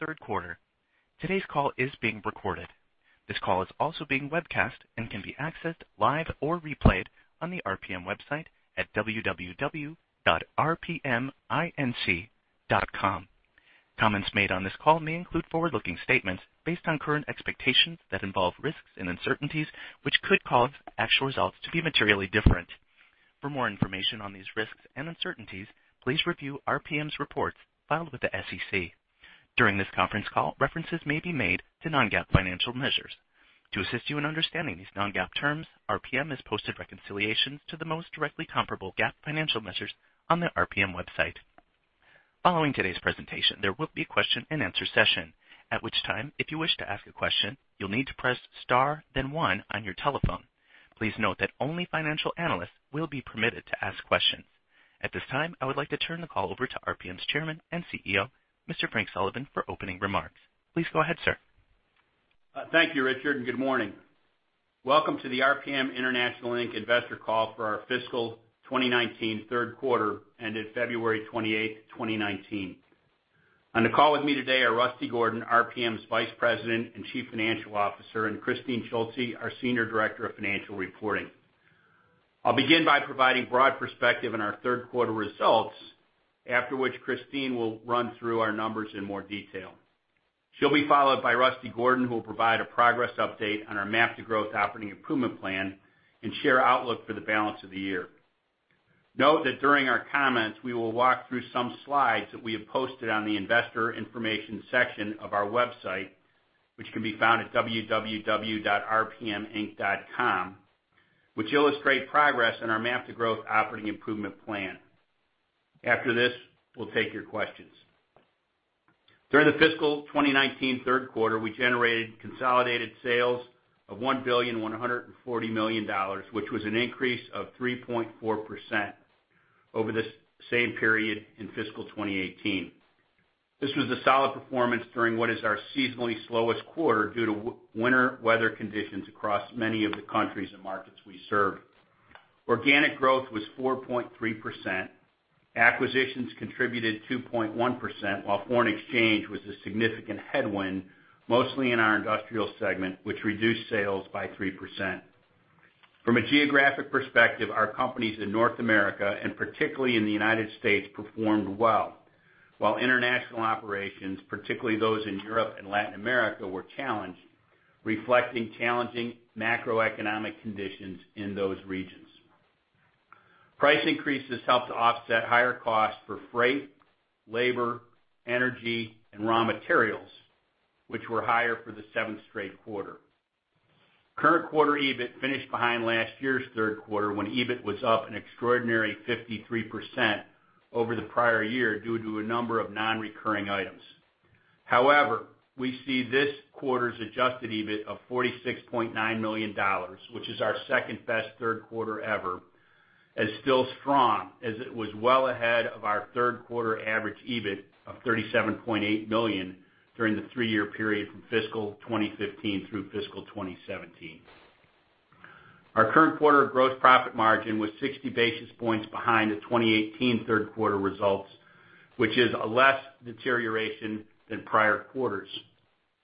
Third quarter. Today's call is being recorded. This call is also being webcast and can be accessed live or replayed on the RPM website at www.rpminc.com. Comments made on this call may include forward-looking statements based on current expectations that involve risks and uncertainties, which could cause actual results to be materially different. For more information on these risks and uncertainties, please review RPM's reports filed with the SEC. During this conference call, references may be made to non-GAAP financial measures. To assist you in understanding these non-GAAP terms, RPM has posted reconciliations to the most directly comparable GAAP financial measures on the RPM website. Please note that only financial analysts will be permitted to ask questions. At this time, I would like to turn the call over to RPM's Chairman and CEO, Mr. Frank Sullivan, for opening remarks. Please go ahead, sir. Thank you, Richard, good morning. Welcome to the RPM International, Inc. Investor Call for our fiscal 2019 third quarter ended February 28th, 2019. On the call with me today are Rusty Gordon, RPM's Vice President and Chief Financial Officer, and Kristine Schulze, our Senior Director of Financial Reporting. I'll begin by providing broad perspective on our third quarter results, after which Kristine will run through our numbers in more detail. She'll be followed by Rusty Gordon, who will provide a progress update on our MAP to Growth operating improvement plan and share outlook for the balance of the year. Note that during our comments, we will walk through some slides that we have posted on the investor information section of our website, which can be found at www.rpminc.com, which illustrate progress in our MAP to Growth operating improvement plan. After this, we'll take your questions. During the fiscal 2019 third quarter, we generated consolidated sales of $1.14 billion, which was an increase of 3.4% over the same period in fiscal 2018. This was a solid performance during what is our seasonally slowest quarter due to winter weather conditions across many of the countries and markets we serve. Organic growth was 4.3%. Acquisitions contributed 2.1%, while foreign exchange was a significant headwind, mostly in our industrial segment, which reduced sales by 3%. From a geographic perspective, our companies in North America, particularly in the U.S., performed well. While international operations, particularly those in Europe and Latin America, were challenged, reflecting challenging macroeconomic conditions in those regions. Price increases helped to offset higher costs for freight, labor, energy, and raw materials, which were higher for the seventh straight quarter. Current quarter EBIT finished behind last year's third quarter, when EBIT was up an extraordinary 53% over the prior year due to a number of non-recurring items. However, we see this quarter's adjusted EBIT of $46.9 million, which is our second best third quarter ever, as still strong as it was well ahead of our third quarter average EBIT of $37.8 million during the three-year period from fiscal 2015 through fiscal 2017. Our current quarter gross profit margin was 60 basis points behind the 2018 third quarter results, which is a less deterioration than prior quarters.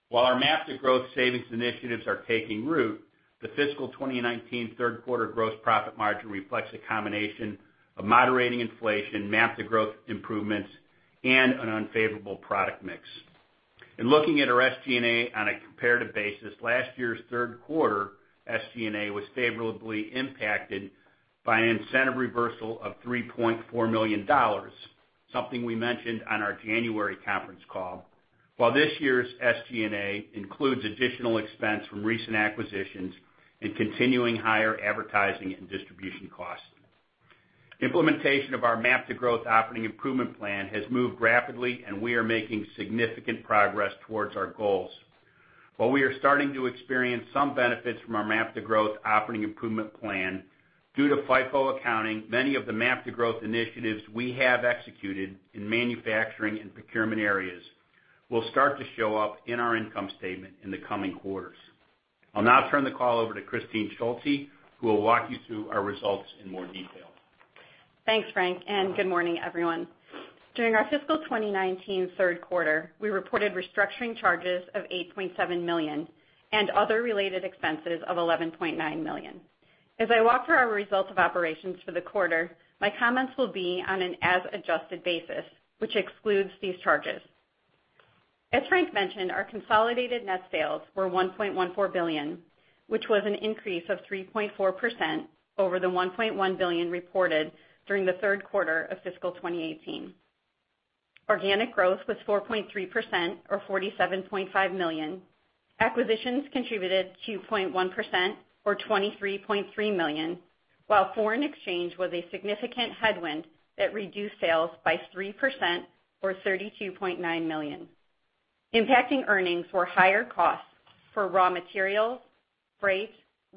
While our MAP to Growth savings initiatives are taking root, the fiscal 2019 third quarter gross profit margin reflects a combination of moderating inflation, MAP to Growth improvements, and an unfavorable product mix. In looking at our SG&A on a comparative basis, last year's third quarter SG&A was favorably impacted by an incentive reversal of $3.4 million, something we mentioned on our January conference call, while this year's SG&A includes additional expense from recent acquisitions and continuing higher advertising and distribution costs. Implementation of our MAP to Growth operating improvement plan has moved rapidly, and we are making significant progress towards our goals. While we are starting to experience some benefits from our MAP to Growth operating improvement plan, due to FIFO accounting, many of the MAP to Growth initiatives we have executed in manufacturing and procurement areas will start to show up in our income statement in the coming quarters. I'll now turn the call over to Kristine Schulze, who will walk you through our results in more detail. Thanks, Frank, and good morning, everyone. During our fiscal 2019 third quarter, we reported restructuring charges of $8.7 million and other related expenses of $11.9 million. As I walk through our results of operations for the quarter, my comments will be on an as-adjusted basis, which excludes these charges. As Frank mentioned, our consolidated net sales were $1.14 billion, which was an increase of 3.4% over the $1.1 billion reported during the third quarter of fiscal 2018. Organic growth was 4.3%, or $47.5 million. Acquisitions contributed 2.1%, or $23.3 million, while foreign exchange was a significant headwind that reduced sales by 3%, or $32.9 million. Impacting earnings were higher costs for raw materials, freight,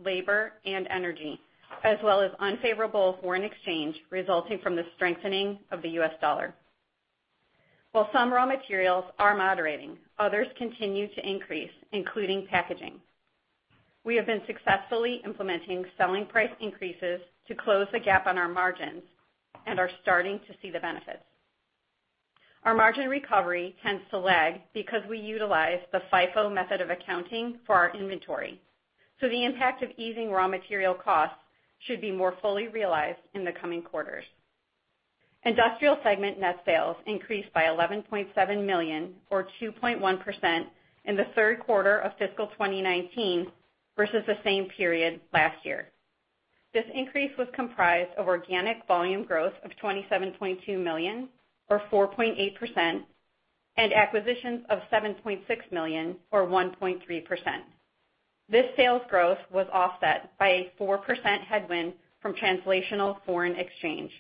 labor, and energy, as well as unfavorable foreign exchange resulting from the strengthening of the U.S. dollar. While some raw materials are moderating, others continue to increase, including packaging. We have been successfully implementing selling price increases to close the gap on our margins and are starting to see the benefits. Our margin recovery tends to lag because we utilize the FIFO method of accounting for our inventory. So the impact of easing raw material costs should be more fully realized in the coming quarters. Industrial segment net sales increased by $11.7 million or 2.1% in the third quarter of fiscal 2019 versus the same period last year. This increase was comprised of organic volume growth of $27.2 million or 4.8%, and acquisitions of $7.6 million, or 1.3%. This sales growth was offset by a 4% headwind from translational foreign exchange.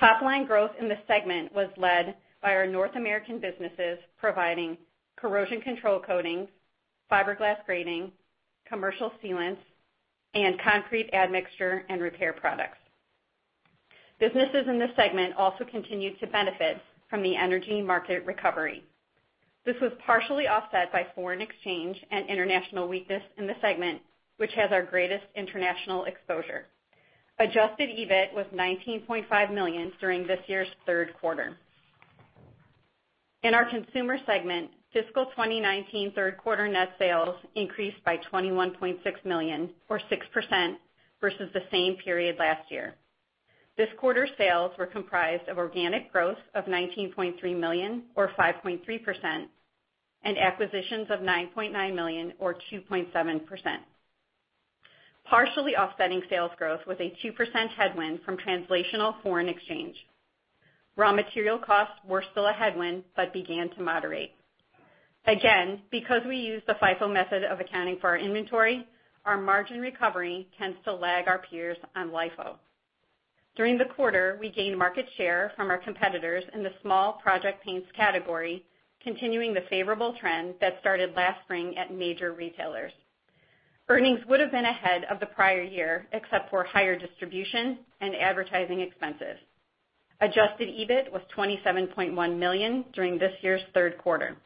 Top line growth in the segment was led by our North American businesses providing corrosion control coatings, fiberglass grating, commercial sealants, and concrete admixture and repair products. Businesses in this segment also continued to benefit from the energy market recovery. This was partially offset by foreign exchange and international weakness in the segment, which has our greatest international exposure. Adjusted EBIT was $19.5 million during this year's third quarter. In our consumer segment, fiscal 2019 third-quarter net sales increased by $21.6 million or 6% versus the same period last year. This quarter sales were comprised of organic growth of $19.3 million or 5.3%, and acquisitions of $9.9 million or 2.7%. Partially offsetting sales growth was a 2% headwind from translational foreign exchange. Raw material costs were still a headwind but began to moderate. Again, because we use the FIFO method of accounting for our inventory, our margin recovery tends to lag our peers on LIFO. During the quarter, we gained market share from our competitors in the small project paints category, continuing the favorable trend that started last spring at major retailers. Earnings would have been ahead of the prior year, except for higher distribution and advertising expenses. Adjusted EBIT was $27.1 million during this year's third quarter.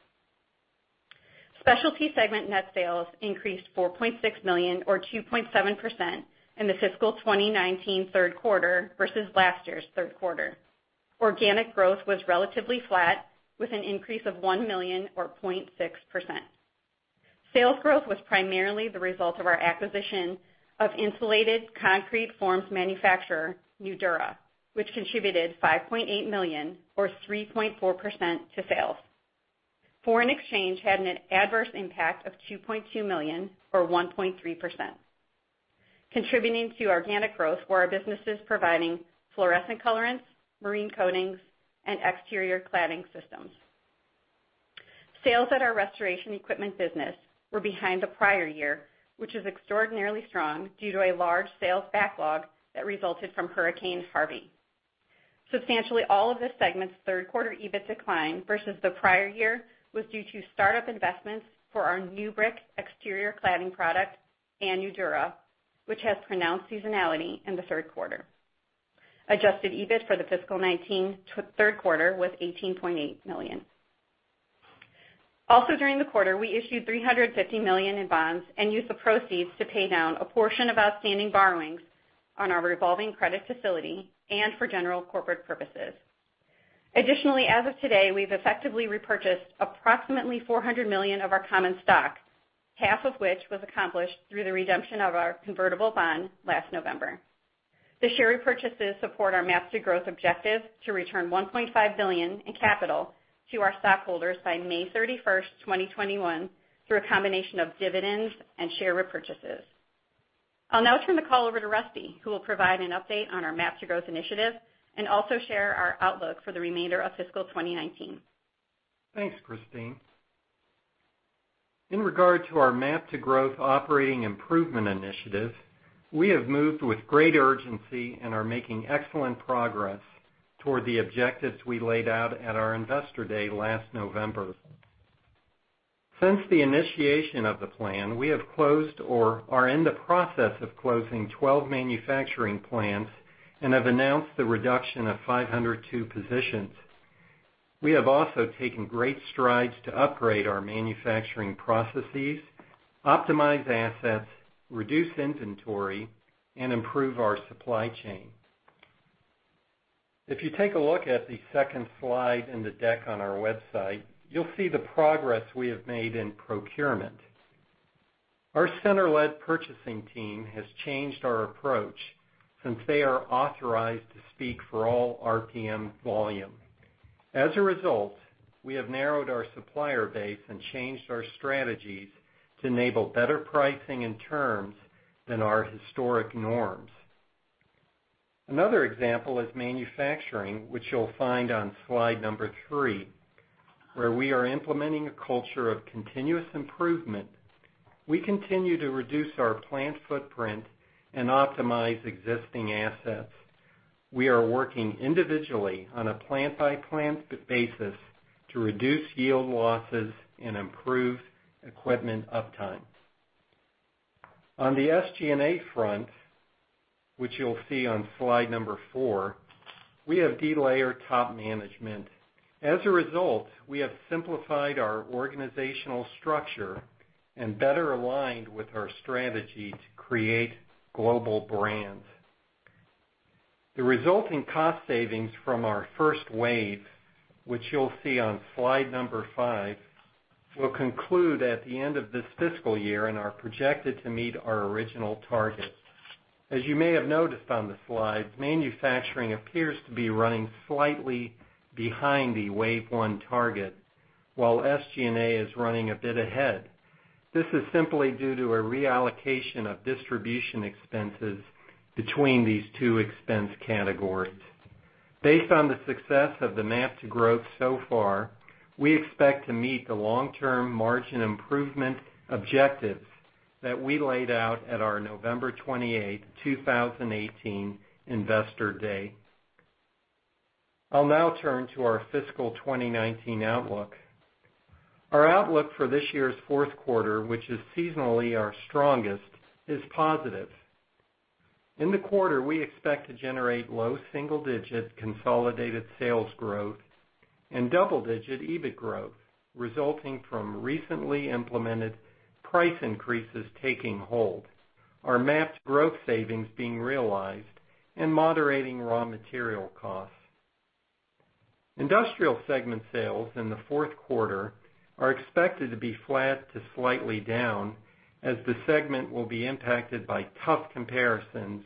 Specialty segment net sales increased $4.6 million or 2.7% in the fiscal 2019 third quarter versus last year's third quarter. Organic growth was relatively flat with an increase of $1 million or 0.6%. Sales growth was primarily the result of our acquisition of insulated concrete forms manufacturer, Nudura, which contributed $5.8 million or 3.4% to sales. Foreign exchange had an adverse impact of $2.2 million or 1.3%. Contributing to organic growth were our businesses providing fluorescent colorants, marine coatings, and exterior cladding systems. Sales at our restoration equipment business were behind the prior year, which is extraordinarily strong due to a large sales backlog that resulted from Hurricane Harvey. Substantially all of this segment's third quarter EBIT decline versus the prior year was due to startup investments for our NewBrick exterior cladding product and Nudura, which has pronounced seasonality in the third quarter. Adjusted EBIT for the fiscal 2019 third quarter was $18.8 million. Also during the quarter, we issued $350 million in bonds and used the proceeds to pay down a portion of outstanding borrowings on our revolving credit facility and for general corporate purposes. Additionally, as of today, we've effectively repurchased approximately $400 million of our common stock, half of which was accomplished through the redemption of our convertible bond last November. The share repurchases support our MAP to Growth objective to return $1.5 billion in capital to our stockholders by May 31, 2021, through a combination of dividends and share repurchases. I'll now turn the call over to Rusty, who will provide an update on our MAP to Growth initiative and also share our outlook for the remainder of fiscal 2019. Thanks, Kristine. In regard to our MAP to Growth operating improvement initiative, we have moved with great urgency and are making excellent progress toward the objectives we laid out at our investor day last November. Since the initiation of the plan, we have closed or are in the process of closing 12 manufacturing plants and have announced the reduction of 502 positions. We have also taken great strides to upgrade our manufacturing processes, optimize assets, reduce inventory, and improve our supply chain. If you take a look at the second slide in the deck on our website, you'll see the progress we have made in procurement. Our center-led purchasing team has changed our approach since they are authorized to speak for all RPM volume. As a result, we have narrowed our supplier base and changed our strategies to enable better pricing and terms than our historic norms. Another example is manufacturing, which you'll find on slide number three, where we are implementing a culture of continuous improvement. We continue to reduce our plant footprint and optimize existing assets. We are working individually on a plant-by-plant basis to reduce yield losses and improve equipment uptime. On the SG&A front, which you'll see on slide number four, we have delayered top management. As a result, we have simplified our organizational structure and better aligned with our strategy to create global brands. The resulting cost savings from our first wave, which you'll see on slide number five, will conclude at the end of this fiscal year and are projected to meet our original targets. As you may have noticed on the slides, manufacturing appears to be running slightly behind the wave one target, while SG&A is running a bit ahead. This is simply due to a reallocation of distribution expenses between these two expense categories. Based on the success of the MAP to Growth so far, we expect to meet the long-term margin improvement objectives that we laid out at our November 28, 2018 investor day. I'll now turn to our fiscal 2019 outlook. Our outlook for this year's fourth quarter, which is seasonally our strongest, is positive. In the quarter, we expect to generate low single-digit consolidated sales growth and double-digit EBIT growth, resulting from recently implemented price increases taking hold, our MAP to Growth savings being realized, and moderating raw material costs. Industrial segment sales in the fourth quarter are expected to be flat to slightly down as the segment will be impacted by tough comparisons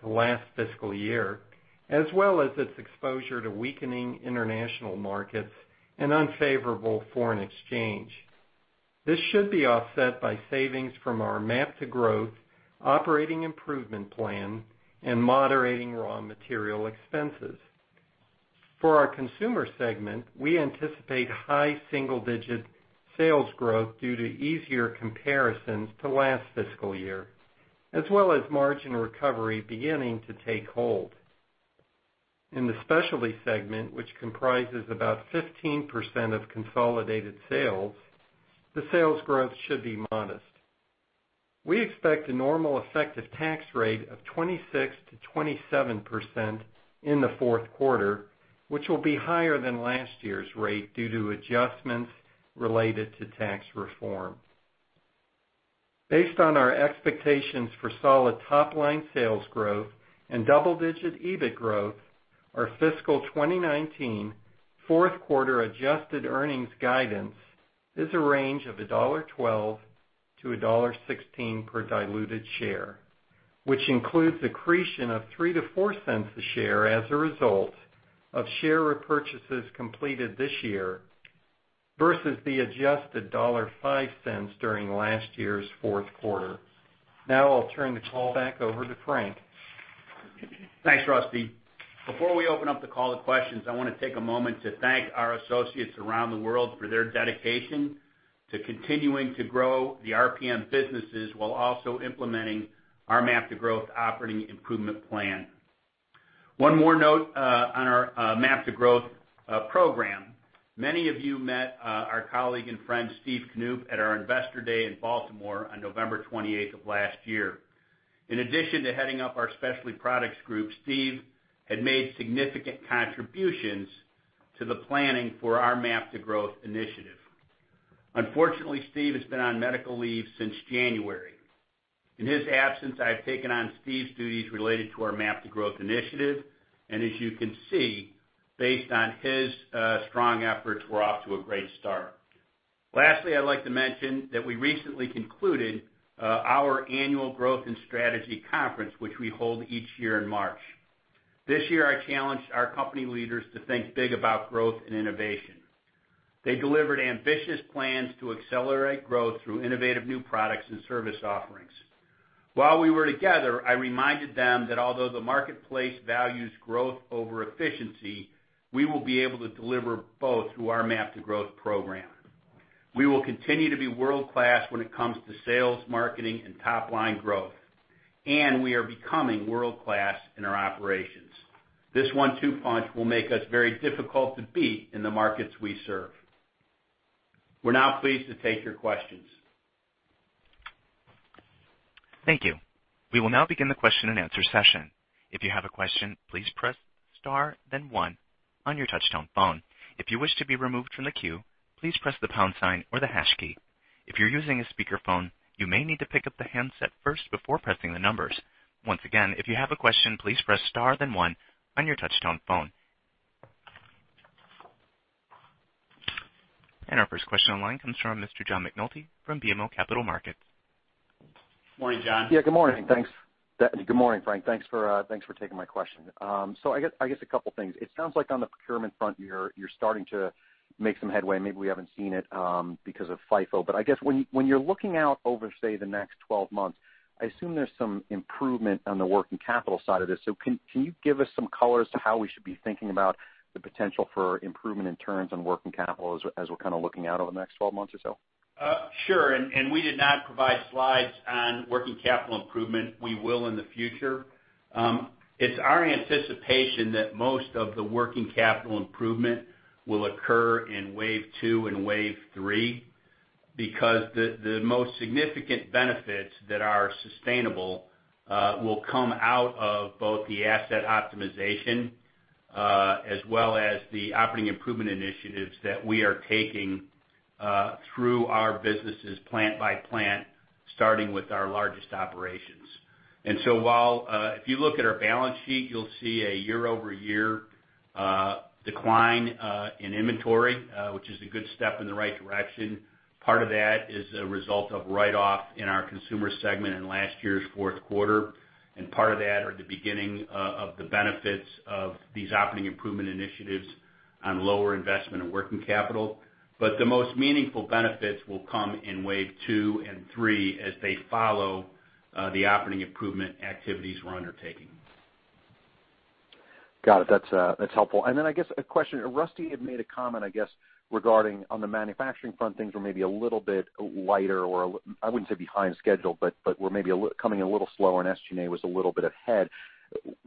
to last fiscal year, as well as its exposure to weakening international markets and unfavorable foreign exchange. This should be offset by savings from our MAP to Growth operating improvement plan and moderating raw material expenses. For our consumer segment, we anticipate high single-digit sales growth due to easier comparisons to last fiscal year, as well as margin recovery beginning to take hold. In the Specialty segment, which comprises about 15% of consolidated sales, the sales growth should be modest. We expect a normal effective tax rate of 26%-27% in the fourth quarter, which will be higher than last year's rate due to adjustments related to tax reform. Based on our expectations for solid top-line sales growth and double-digit EBIT growth, our fiscal 2019 fourth quarter adjusted earnings guidance is a range of $1.12-$1.16 per diluted share, which includes accretion of $0.03-$0.04 a share as a result of share repurchases completed this year versus the adjusted $1.5 during last year's fourth quarter. I'll turn the call back over to Frank. Thanks, Rusty. Before we open up the call to questions, I want to take a moment to thank our associates around the world for their dedication to continuing to grow the RPM businesses while also implementing our MAP to Growth operating improvement plan. One more note on our MAP to Growth program. Many of you met our colleague and friend, Steve Knoop, at our investor day in Baltimore on November 28th of last year. In addition to heading up our Specialty Products Group, Steve had made significant contributions to the planning for our MAP to Growth initiative. Unfortunately, Steve has been on medical leave since January. In his absence, I've taken on Steve's duties related to our MAP to Growth initiative, as you can see, based on his strong efforts, we're off to a great start. Lastly, I'd like to mention that we recently concluded our annual growth and strategy conference, which we hold each year in March. This year, I challenged our company leaders to think big about growth and innovation. They delivered ambitious plans to accelerate growth through innovative new products and service offerings. While we were together, I reminded them that although the marketplace values growth over efficiency, we will be able to deliver both through our MAP to Growth program. We will continue to be world-class when it comes to sales, marketing, and top-line growth, we are becoming world-class in our operations. This one-two punch will make us very difficult to beat in the markets we serve. We're now pleased to take your questions. Thank you. We will now begin the question and answer session. If you have a question, please press star then one on your touch tone phone. If you wish to be removed from the queue, please press the pound sign or the hash key. If you're using a speakerphone, you may need to pick up the handset first before pressing the numbers. Once again, if you have a question, please press star then one on your touch tone phone. Our first question online comes from Mr. John McNulty from BMO Capital Markets. Morning, John. Yeah, good morning, thanks. Good morning, Frank. Thanks for taking my question. I guess a couple things. It sounds like on the procurement front, you're starting to make some headway. Maybe we haven't seen it because of FIFO. I guess when you're looking out over, say, the next 12 months, I assume there's some improvement on the working capital side of this. Can you give us some color as to how we should be thinking about the potential for improvement in terms on working capital as we're kind of looking out over the next 12 months or so? Sure. We did not provide slides on working capital improvement. We will in the future. It's our anticipation that most of the working capital improvement will occur in wave 2 and wave 3. Because the most significant benefits that are sustainable will come out of both the asset optimization as well as the operating improvement initiatives that we are taking through our businesses plant by plant, starting with our largest operations. While if you look at our balance sheet, you'll see a year-over-year decline in inventory, which is a good step in the right direction. Part of that is a result of write-off in our consumer segment in last year's fourth quarter, and part of that are the beginning of the benefits of these operating improvement initiatives on lower investment and working capital. The most meaningful benefits will come in wave 2 and 3 as they follow the operating improvement activities we're undertaking. Got it. That's helpful. I guess a question, Rusty had made a comment, I guess, regarding on the manufacturing front, things were maybe a little bit lighter or I wouldn't say behind schedule, but were maybe coming in a little slower and SG&A was a little bit ahead.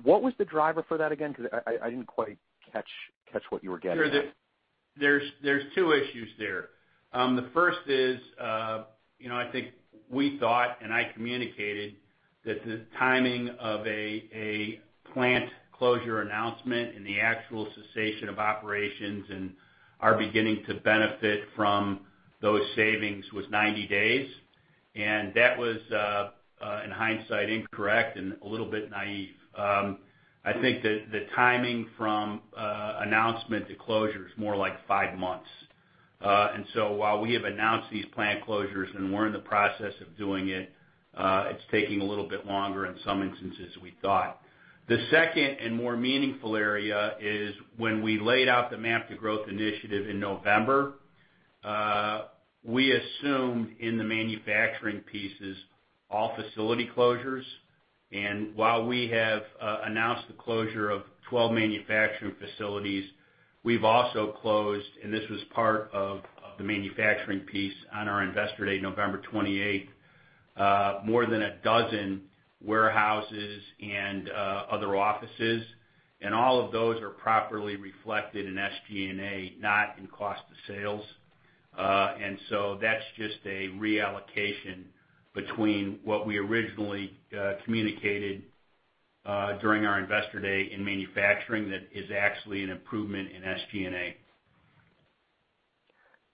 What was the driver for that again? Because I didn't quite catch what you were getting at. Sure. There's two issues there. The first is, I think we thought, I communicated that the timing of a plant closure announcement and the actual cessation of operations and are beginning to benefit from those savings was 90 days. That was, in hindsight, incorrect and a little bit naive. I think the timing from announcement to closure is more like five months. While we have announced these plant closures and we're in the process of doing it's taking a little bit longer in some instances we thought. The second and more meaningful area is when we laid out the MAP to Growth initiative in November, we assumed in the manufacturing pieces, all facility closures. While we have announced the closure of 12 manufacturing facilities, we've also closed, and this was part of the manufacturing piece on our investor day, November 28th, more than a dozen warehouses and other offices. All of those are properly reflected in SG&A, not in cost of sales. That's just a reallocation between what we originally communicated during our investor day in manufacturing that is actually an improvement in SG&A.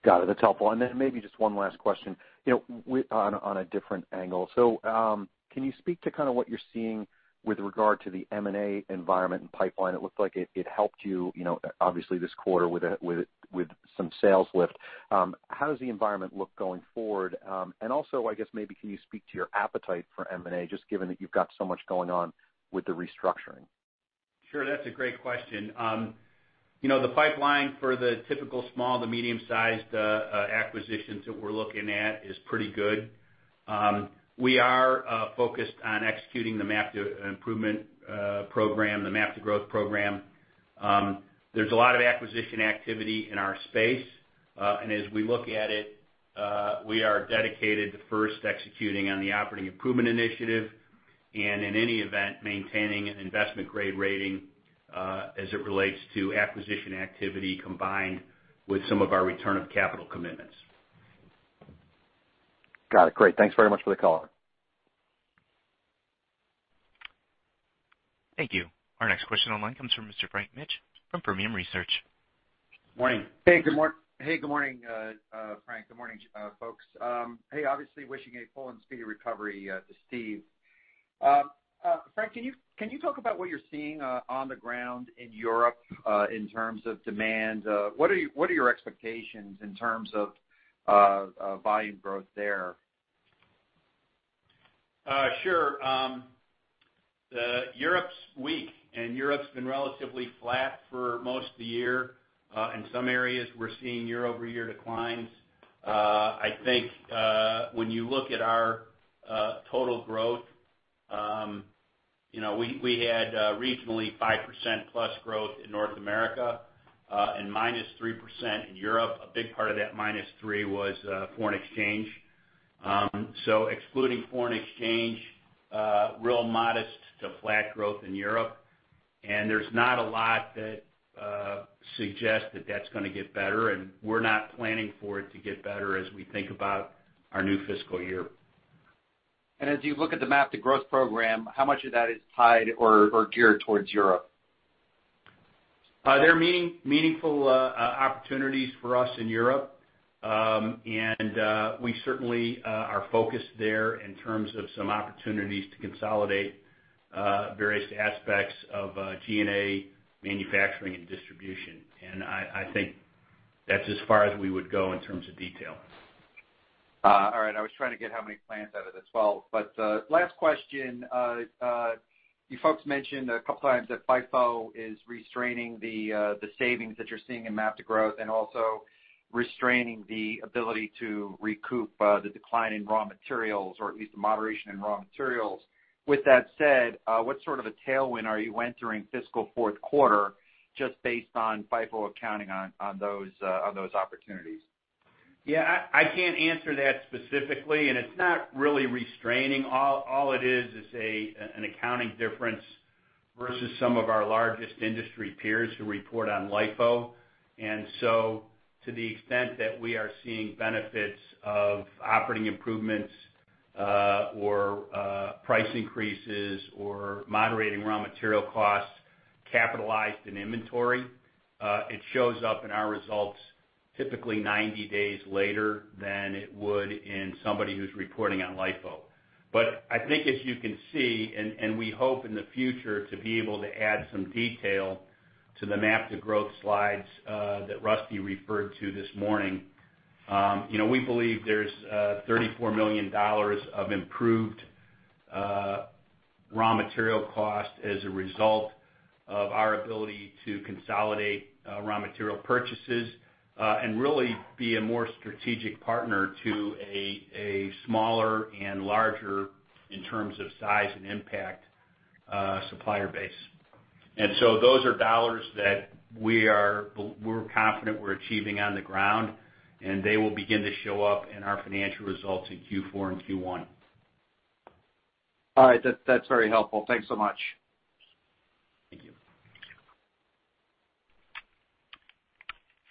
Got it. That's helpful. Maybe just one last question on a different angle. Can you speak to kind of what you're seeing with regard to the M&A environment and pipeline? It looked like it helped you, obviously this quarter with some sales lift. How does the environment look going forward? Also, I guess maybe can you speak to your appetite for M&A, just given that you've got so much going on with the restructuring? Sure. That's a great question. The pipeline for the typical small to medium-sized acquisitions that we're looking at is pretty good. We are focused on executing the MAP to Growth program. There's a lot of acquisition activity in our space. As we look at it, we are dedicated to first executing on the operating improvement initiative, and in any event, maintaining an investment-grade rating as it relates to acquisition activity combined with some of our return of capital commitments. Got it. Great. Thanks very much for the color. Thank you. Our next question online comes from Mr. Frank Mitsch from Fermium Research. Morning. Hey, good morning Frank. Good morning folks. Hey, obviously wishing a full and speedy recovery to Steve. Frank, can you talk about what you're seeing on the ground in Europe in terms of demand? What are your expectations in terms of volume growth there? Sure. Europe's weak, and Europe's been relatively flat for most of the year. In some areas, we're seeing year-over-year declines. I think when you look at our total growth, we had regionally 5% plus growth in North America and -3% in Europe. A big part of that minus three was foreign exchange. Excluding foreign exchange, real modest to flat growth in Europe. There's not a lot that suggests that that's gonna get better, and we're not planning for it to get better as we think about our new fiscal year. As you look at the MAP to Growth program, how much of that is tied or geared towards Europe? There are meaningful opportunities for us in Europe. We certainly are focused there in terms of some opportunities to consolidate various aspects of G&A manufacturing and distribution. I think that's as far as we would go in terms of detail. All right. I was trying to get how many plants out of the 12. Last question, you folks mentioned a couple of times that FIFO is restraining the savings that you're seeing in MAP to Growth and also restraining the ability to recoup the decline in raw materials or at least the moderation in raw materials. With that said, what sort of a tailwind are you entering fiscal fourth quarter just based on FIFO accounting on those opportunities? Yeah, I can't answer that specifically. It's not really restraining. All it is is an accounting difference versus some of our largest industry peers who report on LIFO. To the extent that we are seeing benefits of operating improvements or price increases or moderating raw material costs capitalized in inventory, it shows up in our results typically 90 days later than it would in somebody who's reporting on LIFO. I think as you can see, and we hope in the future to be able to add some detail to the MAP to Growth slides that Rusty referred to this morning. We believe there's $34 million of improved raw material cost as a result of our ability to consolidate raw material purchases and really be a more strategic partner to a smaller and larger, in terms of size and impact, supplier base. Those are dollars that we're confident we're achieving on the ground, and they will begin to show up in our financial results in Q4 and Q1. All right. That's very helpful. Thanks so much. Thank you.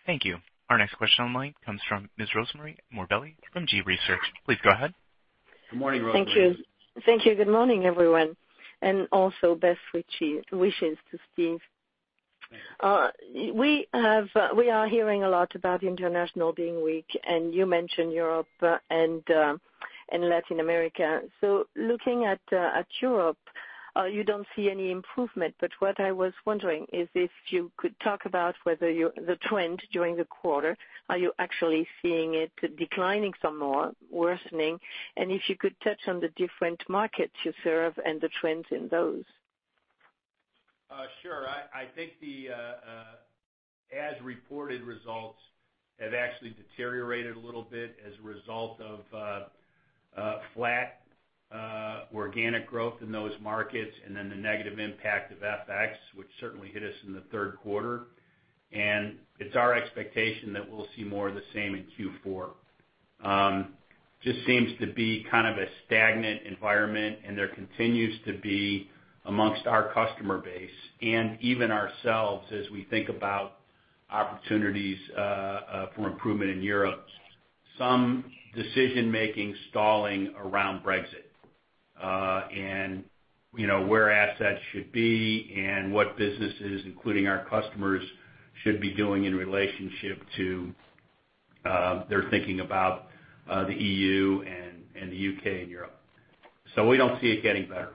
Thank you. Our next question online comes from Ms. Rosemarie Morbelli from G.research. Please go ahead. Good morning, Rosemarie. Thank you. Good morning, everyone, and also best wishes to Steve. Yeah. We are hearing a lot about international being weak, and you mentioned Europe and Latin America. Looking at Europe, you don't see any improvement, but what I was wondering is if you could talk about whether the trend during the quarter, are you actually seeing it declining some more, worsening? If you could touch on the different markets you serve and the trends in those. Sure. I think the as-reported results have actually deteriorated a little bit as a result of flat organic growth in those markets, then the negative impact of FX, which certainly hit us in the third quarter. It's our expectation that we'll see more of the same in Q4. Just seems to be kind of a stagnant environment, and there continues to be amongst our customer base and even ourselves as we think about opportunities for improvement in Europe, some decision making stalling around Brexit. Where assets should be and what businesses, including our customers, should be doing in relationship to their thinking about the EU and the U.K. and Europe. We don't see it getting better.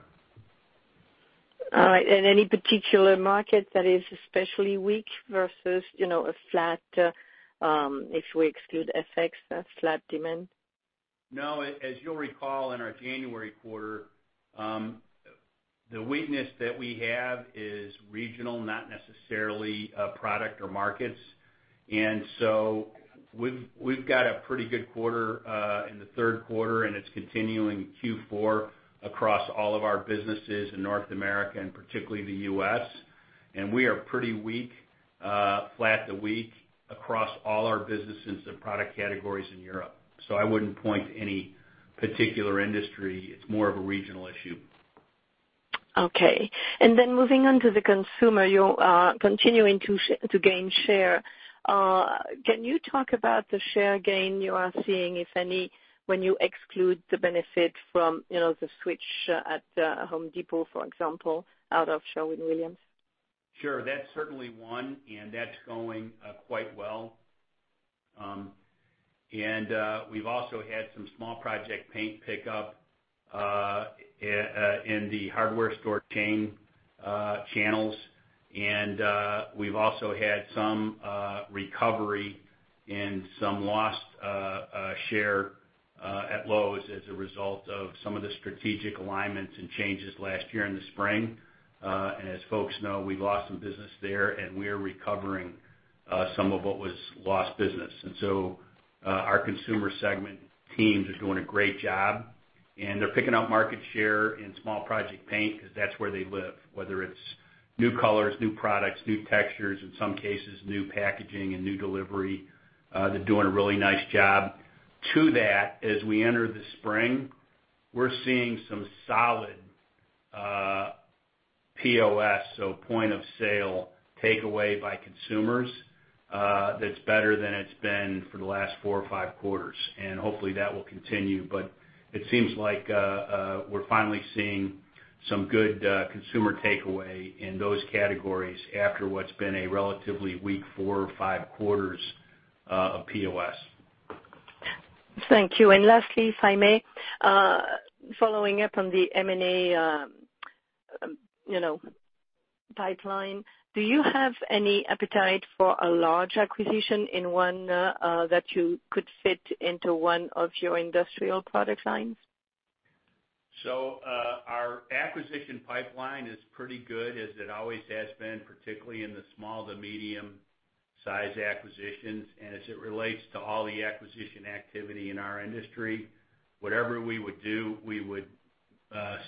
All right. Any particular market that is especially weak versus a flat, if we exclude FX, a flat demand? No, as you'll recall, in our January quarter, the weakness that we have is regional, not necessarily a product or markets. We've got a pretty good quarter in the third quarter, and it's continuing in Q4 across all of our businesses in North America and particularly the U.S. We are pretty weak, flat to weak across all our businesses and product categories in Europe. I wouldn't point to any particular industry. It's more of a regional issue. Okay. Moving on to the consumer, you are continuing to gain share. Can you talk about the share gain you are seeing, if any, when you exclude the benefit from the switch at Home Depot, for example, out of Sherwin-Williams? Sure. That's certainly one, that's going quite well. We've also had some small project paint pickup in the hardware store chain channels. We've also had some recovery in some lost share at Lowe's as a result of some of the strategic alignments and changes last year in the spring. As folks know, we lost some business there, we are recovering some of what was lost business. Our consumer segment teams are doing a great job, they're picking up market share in small project paint because that's where they live, whether it's new colors, new products, new textures, in some cases, new packaging and new delivery. They're doing a really nice job. To that, as we enter the spring, we're seeing some solid POS, so point of sale takeaway by consumers that's better than it's been for the last four or five quarters, hopefully, that will continue. It seems like we're finally seeing some good consumer takeaway in those categories after what's been a relatively weak four or five quarters of POS. Thank you. Lastly, if I may, following up on the M&A pipeline, do you have any appetite for a large acquisition in one that you could fit into one of your industrial product lines? Our acquisition pipeline is pretty good, as it always has been, particularly in the small to medium-size acquisitions. As it relates to all the acquisition activity in our industry, whatever we would do, we would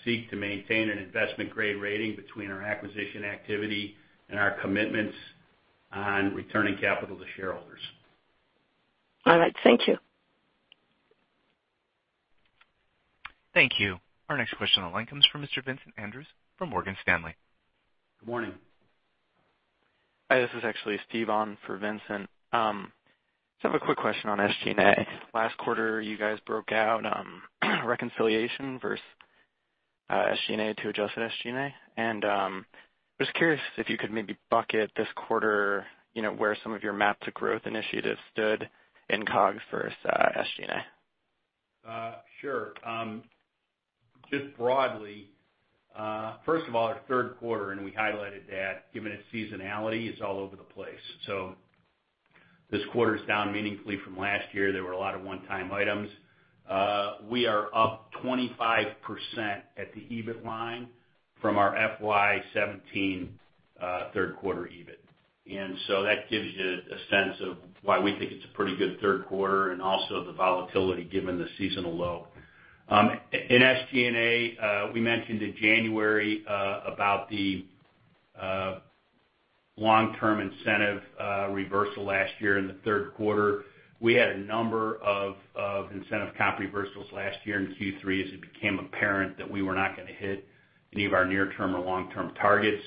seek to maintain an investment-grade rating between our acquisition activity and our commitments on returning capital to shareholders. All right. Thank you. Thank you. Our next question on the line comes from Mr. Vincent Andrews from Morgan Stanley. Good morning. Hi, this is actually Steve on for Vincent. Just have a quick question on SG&A. Last quarter, you guys broke out reconciliation versus SG&A to adjusted SG&A. Just curious if you could maybe bucket this quarter, where some of your MAP to Growth initiatives stood in COGS versus SG&A. Sure. Just broadly, first of all, our third quarter, and we highlighted that given its seasonality, is all over the place. This quarter is down meaningfully from last year. There were a lot of one-time items. We are up 25% at the EBIT line from our FY 2017 third quarter EBIT. That gives you a sense of why we think it's a pretty good third quarter and also the volatility given the seasonal low. In SG&A, we mentioned in January, about the long-term incentive reversal last year in the third quarter. We had a number of incentive comp reversals last year in Q3 as it became apparent that we were not gonna hit any of our near-term or long-term targets.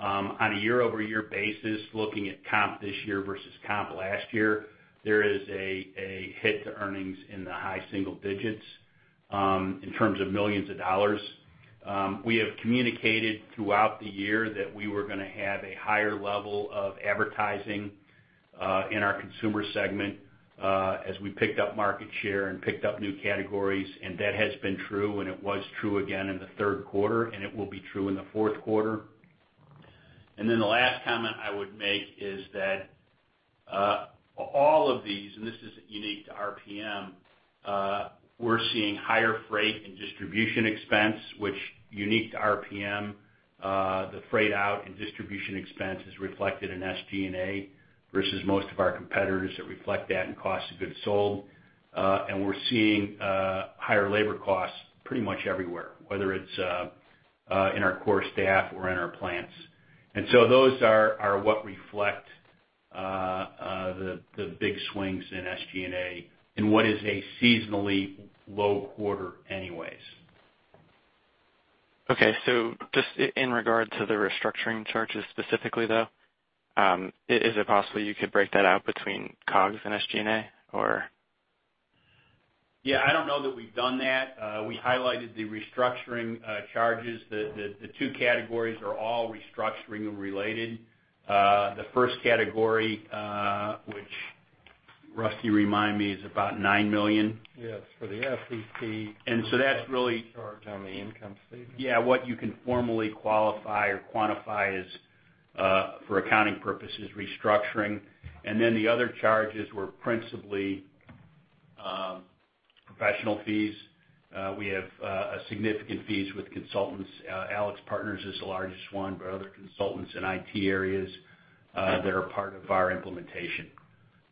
On a year-over-year basis, looking at comp this year versus comp last year, there is a hit to earnings in the high single digits, in terms of millions of dollars. We have communicated throughout the year that we were gonna have a higher level of advertising, in our consumer segment, as we picked up market share and picked up new categories, and that has been true, and it was true again in the third quarter, and it will be true in the fourth quarter. The last comment I would make is that all of these, and this isn't unique to RPM, we're seeing higher freight and distribution expense, which is unique to RPM. The freight-out and distribution expense is reflected in SG&A versus most of our competitors that reflect that in cost of goods sold. We're seeing higher labor costs pretty much everywhere, whether it's in our core staff or in our plants. Those are what reflect the big swings in SG&A in what is a seasonally low quarter anyways. Okay. Just in regard to the restructuring charges specifically, though, is it possible you could break that out between COGS and SG&A or? Yeah, I don't know that we've done that. We highlighted the restructuring charges. The two categories are all restructuring related. The first category, which Rusty, remind me, is about $9 million. Yes, for the SEC. That's really. Charge on the income statement. What you can formally qualify or quantify is, for accounting purposes, restructuring. The other charges were principally professional fees. We have significant fees with consultants. AlixPartners is the largest one, but other consultants in IT areas that are part of our implementation.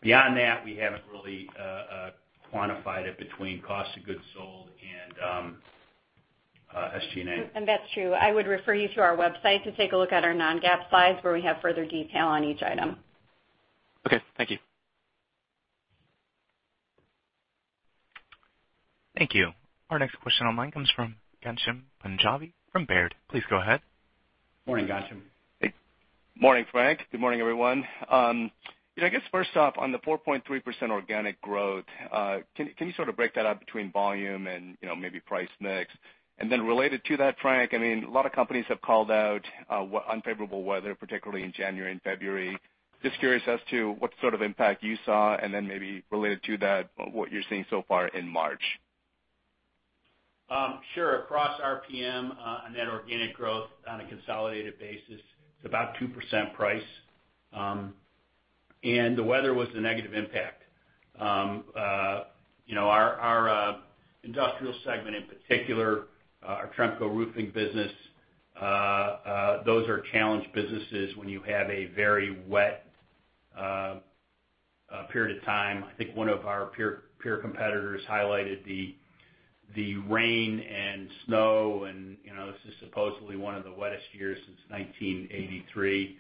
Beyond that, we haven't really quantified it between cost of goods sold and SG&A. That's true. I would refer you to our website to take a look at our non-GAAP slides, where we have further detail on each item. Okay, thank you. Thank you. Our next question on line comes from Ghansham Panjabi from Baird. Please go ahead. Morning, Ghansham. Morning, Frank. Good morning, everyone. I guess first off, on the 4.3% organic growth, can you sort of break that out between volume and maybe price mix? Related to that, Frank, a lot of companies have called out unfavorable weather, particularly in January and February. Just curious as to what sort of impact you saw, and then maybe related to that, what you're seeing so far in March. Sure. Across RPM, net organic growth on a consolidated basis, it's about 2% price. The weather was the negative impact. Our industrial segment in particular, our Tremco Roofing business, those are challenged businesses when you have a very wet period of time. I think one of our peer competitors highlighted the rain and snow, and this is supposedly one of the wettest years since 1983.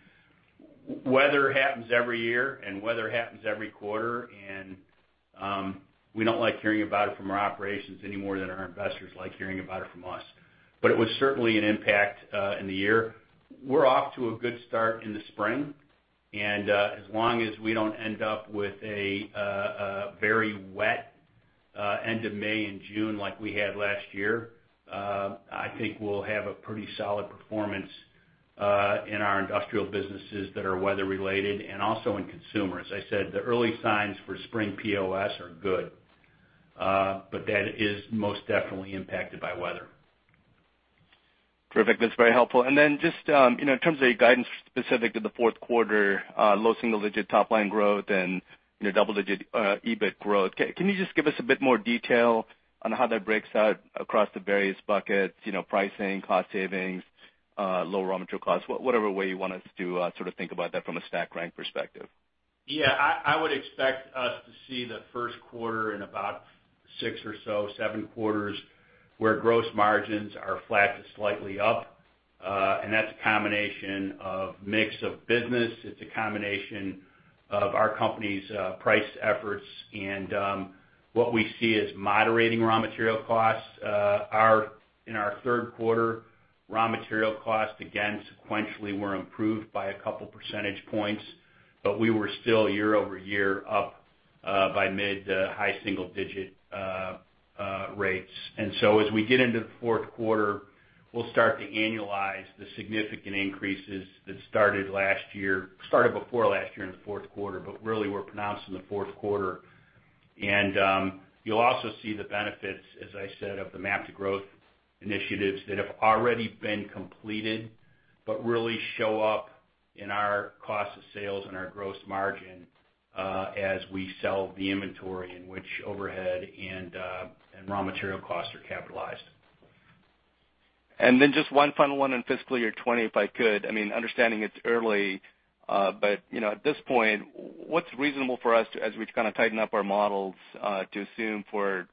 Weather happens every year, weather happens every quarter, and we don't like hearing about it from our operations any more than our investors like hearing about it from us. It was certainly an impact in the year. We're off to a good start in the spring. As long as we don't end up with a very wet end of May and June like we had last year, I think we'll have a pretty solid performance in our industrial businesses that are weather related and also in consumer. As I said, the early signs for spring POS are good. That is most definitely impacted by weather. Perfect. That's very helpful. Then just in terms of your guidance specific to the fourth quarter, low single-digit top-line growth and double-digit EBIT growth, can you just give us a bit more detail on how that breaks out across the various buckets, pricing, cost savings, low raw material costs, whatever way you want us to sort of think about that from a stack rank perspective? Yeah, I would expect us to see the first quarter in about six or so, seven quarters, where gross margins are flat to slightly up. That's a combination of mix of business, it's a combination of our company's price efforts and what we see as moderating raw material costs. In our third quarter, raw material costs, again, sequentially were improved by a couple percentage points. We were still year-over-year up by mid-to-high single-digit rates. As we get into the fourth quarter, we'll start to annualize the significant increases that started before last year in the fourth quarter, but really were pronounced in the fourth quarter. You'll also see the benefits, as I said, of the MAP to Growth initiatives that have already been completed, but really show up in our cost of sales and our gross margin, as we sell the inventory in which overhead and raw material costs are capitalized. Then just one final one on fiscal year 2020, if I could. Understanding it's early, but at this point, what's reasonable for us as we kind of tighten up our models to assume for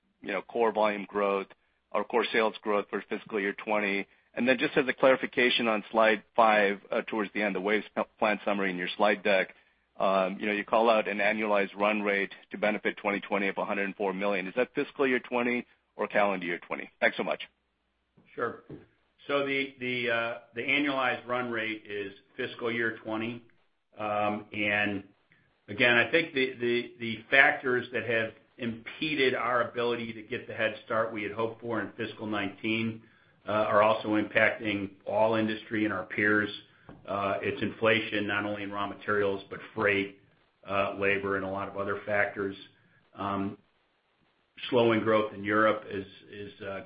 core volume growth or core sales growth for fiscal year 2020? Then just as a clarification on Slide five, towards the end, the Viapol plant summary in your slide deck. You call out an annualized run rate to benefit 2020 of $104 million. Is that fiscal year 2020 or calendar year 2020? Thanks so much. Sure. The annualized run rate is fiscal year 2020. Again, I think the factors that have impeded our ability to get the head start we had hoped for in fiscal 2019 are also impacting all industry and our peers. It's inflation, not only in raw materials, but freight, labor, and a lot of other factors. Slowing growth in Europe is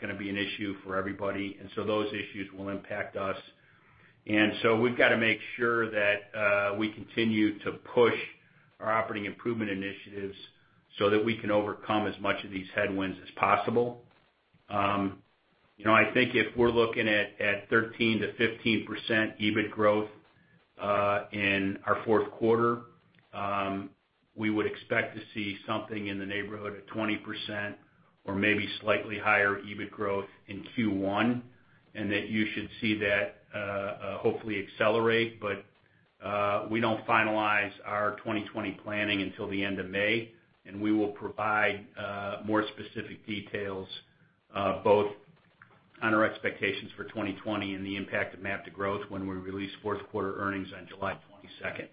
going to be an issue for everybody. Those issues will impact us. We've got to make sure that we continue to push our operating improvement initiatives so that we can overcome as much of these headwinds as possible. I think if we're looking at 13%-15% EBIT growth in our fourth quarter, we would expect to see something in the neighborhood of 20% or maybe slightly higher EBIT growth in Q1. That you should see that hopefully accelerate. We don't finalize our 2020 planning until the end of May, and we will provide more specific details both on our expectations for 2020 and the impact of MAP to Growth when we release fourth quarter earnings on July 22nd.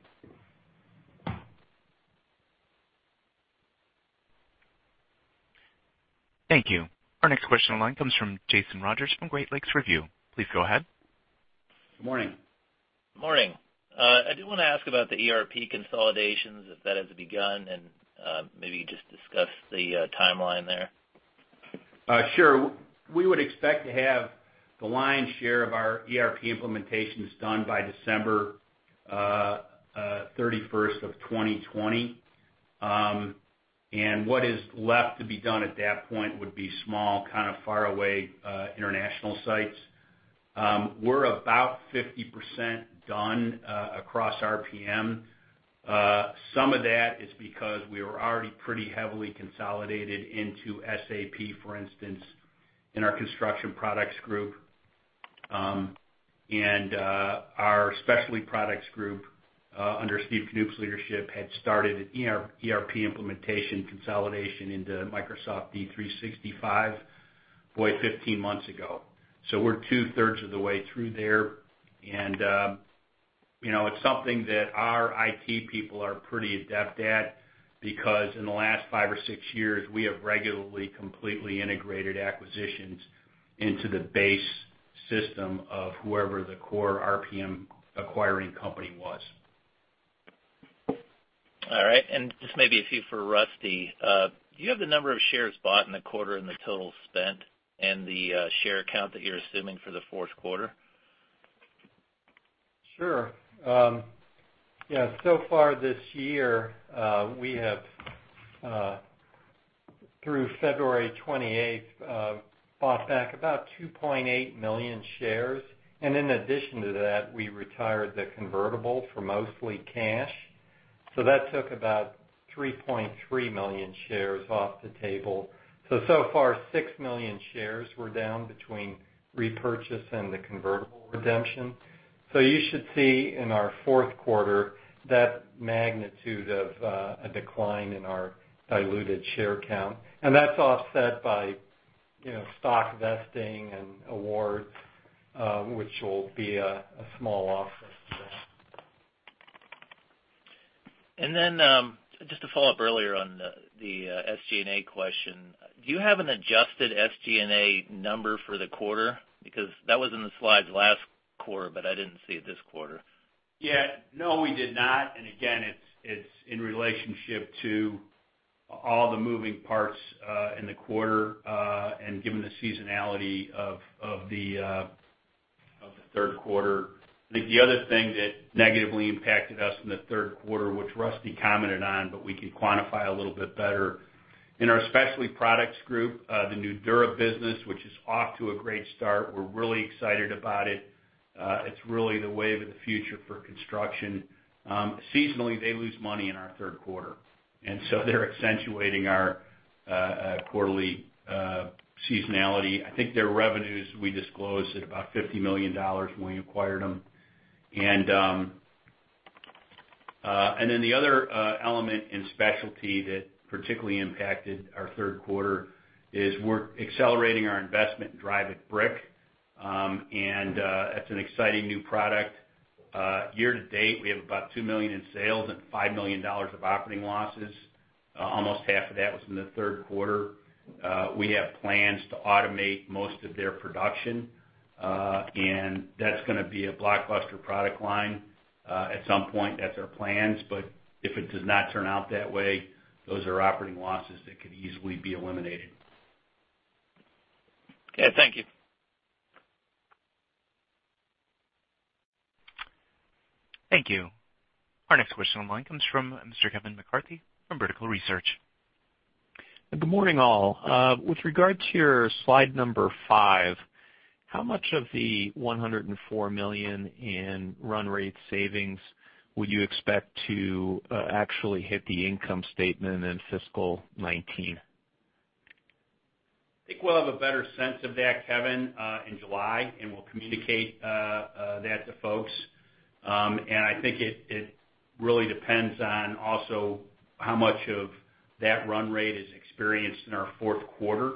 Thank you. Our next question on the line comes from Jason Rogers from Great Lakes Review. Please go ahead. Morning. Morning. I do want to ask about the ERP consolidations, if that has begun, and maybe just discuss the timeline there. Sure. We would expect to have the lion's share of our ERP implementations done by December 31st of 2020. What is left to be done at that point would be small, kind of far away international sites. We're about 50% done across RPM. Some of that is because we were already pretty heavily consolidated into SAP, for instance, in our Construction Products Group. Our Specialty Products Group under Steve Knoop's leadership had started an ERP implementation consolidation into Microsoft D365, boy, 15 months ago. We're two-thirds of the way through there. It's something that our IT people are pretty adept at because in the last five or six years, we have regularly completely integrated acquisitions into the base system of whoever the core RPM acquiring company was. All right. Just maybe a few for Rusty. Do you have the number of shares bought in the quarter and the total spent and the share count that you're assuming for the fourth quarter? Sure. Yeah, so far this year, we have through February 28th, bought back about 2.8 million shares. In addition to that, we retired the convertible for mostly cash. That took about 3.3 million shares off the table. So far, 6 million shares were down between repurchase and the convertible redemption. You should see in our fourth quarter that magnitude of a decline in our diluted share count. That's offset by stock vesting and awards, which will be a small offset. Just to follow up earlier on the SG&A question, do you have an adjusted SG&A number for the quarter? That was in the slides last quarter, but I didn't see it this quarter. Yeah. No, we did not. Again, it's in relationship to all the moving parts in the quarter, given the seasonality of the third quarter. I think the other thing that negatively impacted us in the third quarter, which Rusty commented on, but we can quantify a little bit better. In our Specialty Products Group, the Nudura business, which is off to a great start, we're really excited about it. It's really the wave of the future for construction. Seasonally, they lose money in our third quarter, so they're accentuating our quarterly seasonality. I think their revenues, we disclosed at about $50 million when we acquired them. The other element in specialty that particularly impacted our third quarter is we're accelerating our investment in NewBrick, and it's an exciting new product. Year to date, we have about $2 million in sales and $5 million of operating losses. Almost half of that was in the third quarter. We have plans to automate most of their production, that's going to be a blockbuster product line at some point. That's our plans, if it does not turn out that way, those are operating losses that could easily be eliminated. Okay, thank you. Thank you. Our next question online comes from Mr. Kevin McCarthy from Vertical Research. Good morning, all. With regard to your slide number five, how much of the $104 million in run rate savings would you expect to actually hit the income statement in fiscal 2019? I think we'll have a better sense of that, Kevin, in July. We'll communicate that to folks. I think it really depends on also how much of that run rate is experienced in our fourth quarter.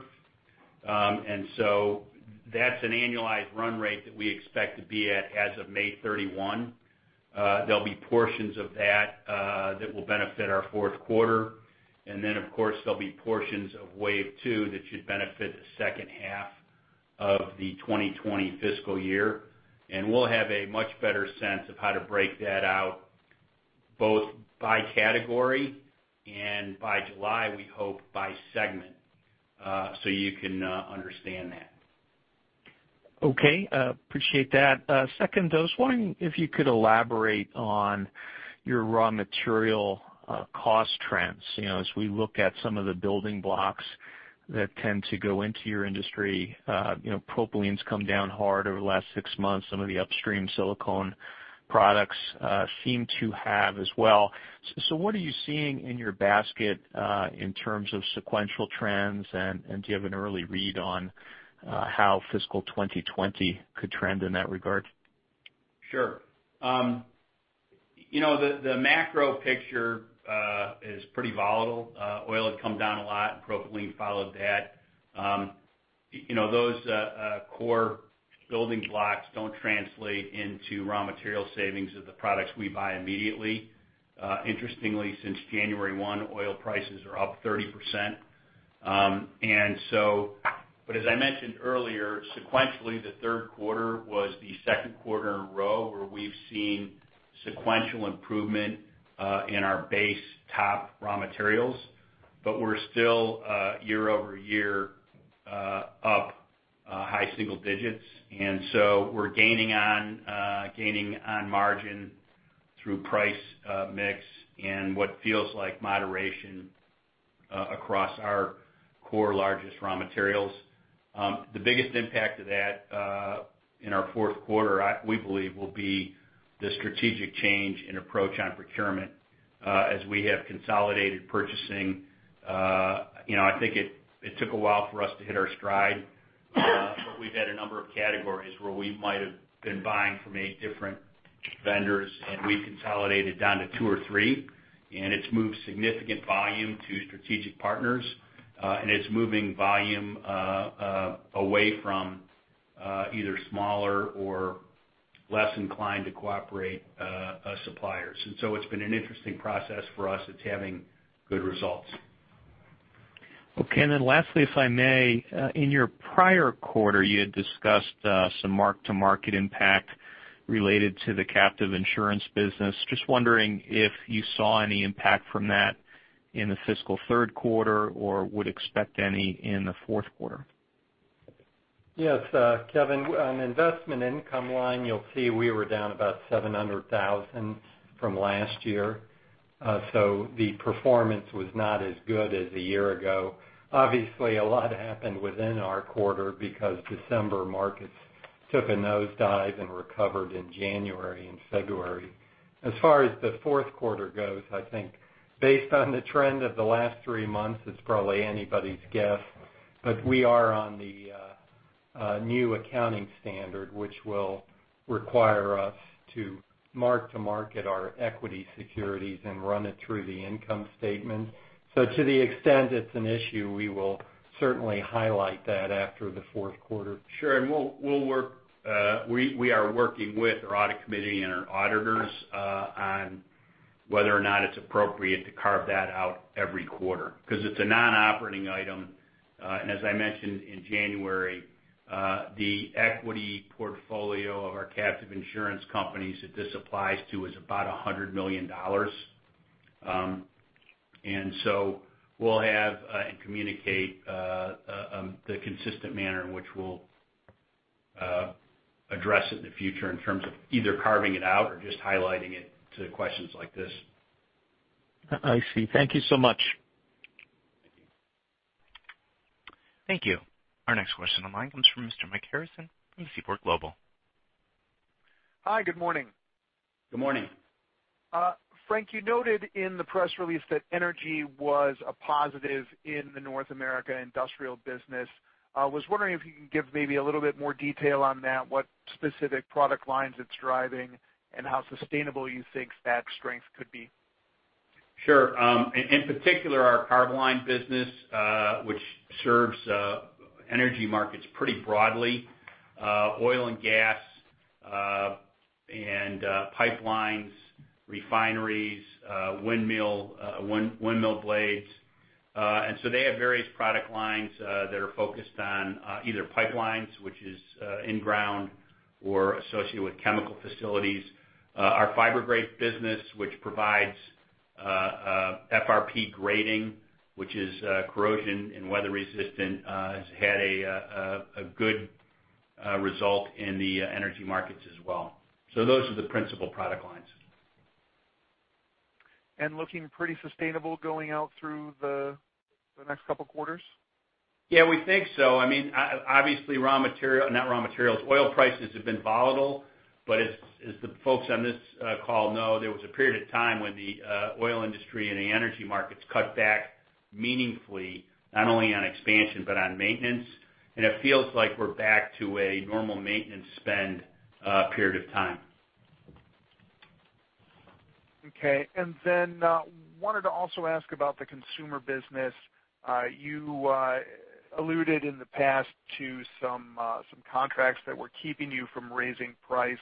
That's an annualized run rate that we expect to be at as of May 31. There'll be portions of that will benefit our fourth quarter. Then, of course, there'll be portions of wave 2 that should benefit the second half of the 2020 fiscal year. We'll have a much better sense of how to break that out, both by category and by July, we hope by segment, so you can understand that. Okay. Appreciate that. Second, I was wondering if you could elaborate on your raw material cost trends. As we look at some of the building blocks that tend to go into your industry, propylene's come down hard over the last six months, some of the upstream silicone products seem to have as well. What are you seeing in your basket, in terms of sequential trends, and do you have an early read on how fiscal 2020 could trend in that regard? Sure. The macro picture is pretty volatile. Oil had come down a lot. Propylene followed that. Those core building blocks don't translate into raw material savings of the products we buy immediately. Interestingly, since January 1, oil prices are up 30%. As I mentioned earlier, sequentially, the third quarter was the second quarter in a row where we've seen sequential improvement in our base top raw materials. We're still year-over-year up high single digits. We're gaining on margin through price mix and what feels like moderation across our core largest raw materials. The biggest impact of that in our fourth quarter, we believe will be the strategic change in approach on procurement as we have consolidated purchasing. I think it took a while for us to hit our stride, but we've had a number of categories where we might have been buying from eight different vendors, and we consolidated down to two or three, and it's moved significant volume to strategic partners. It's moving volume away from either smaller or less inclined to cooperate suppliers. It's been an interesting process for us that's having good results. Okay. Lastly, if I may, in your prior quarter, you had discussed some mark-to-market impact related to the captive insurance business. Just wondering if you saw any impact from that in the fiscal third quarter or would expect any in the fourth quarter. Yes, Kevin, on investment income line, you'll see we were down about $700,000 from last year. The performance was not as good as a year ago. Obviously, a lot happened within our quarter because December markets took a nosedive and recovered in January and February. As far as the fourth quarter goes, I think based on the trend of the last three months, it's probably anybody's guess, but we are on the new accounting standard, which will require us to mark to market our equity securities and run it through the income statement. To the extent it's an issue, we will certainly highlight that after the fourth quarter. Sure. We are working with our audit committee and our auditors on whether or not it's appropriate to carve that out every quarter, because it's a non-operating item. As I mentioned in January, the equity portfolio of our captive insurance companies that this applies to is about $100 million. We'll have and communicate the consistent manner in which we'll address it in the future in terms of either carving it out or just highlighting it to questions like this. I see. Thank you so much. Thank you. Thank you. Our next question online comes from Mr. Mike Harrison from Seaport Global. Hi, good morning. Good morning. Frank, you noted in the press release that energy was a positive in the North America industrial business. I was wondering if you could give maybe a little bit more detail on that, what specific product lines it's driving, and how sustainable you think that strength could be. Sure. In particular, our Carboline business, which serves energy markets pretty broadly. Oil and gas, pipelines, refineries, windmill blades. They have various product lines that are focused on either pipelines, which is in-ground or associated with chemical facilities. Our Fibergrate business, which provides FRP grating, which is corrosion and weather resistant, has had a good result in the energy markets as well. Those are the principal product lines. Looking pretty sustainable going out through the next couple of quarters? Yeah, we think so. Obviously, oil prices have been volatile, as the folks on this call know, there was a period of time when the oil industry and the energy markets cut back meaningfully, not only on expansion but on maintenance. It feels like we're back to a normal maintenance spend period of time. Okay. Then wanted to also ask about the consumer business. You alluded in the past to some contracts that were keeping you from raising price,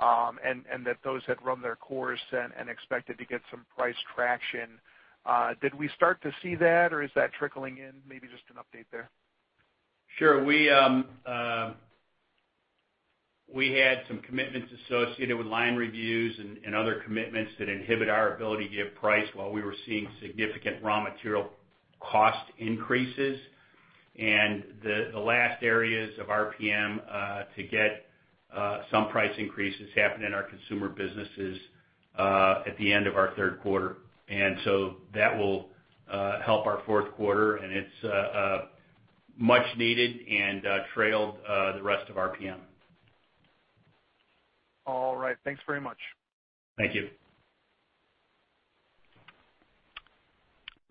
that those had run their course and expected to get some price traction. Did we start to see that, or is that trickling in? Maybe just an update there. Sure. We had some commitments associated with line reviews and other commitments that inhibit our ability to give price while we were seeing significant raw material cost increases. The last areas of RPM to get some price increases happened in our consumer businesses at the end of our third quarter. So that will help our fourth quarter, and it's much needed and trailed the rest of RPM. All right. Thanks very much. Thank you.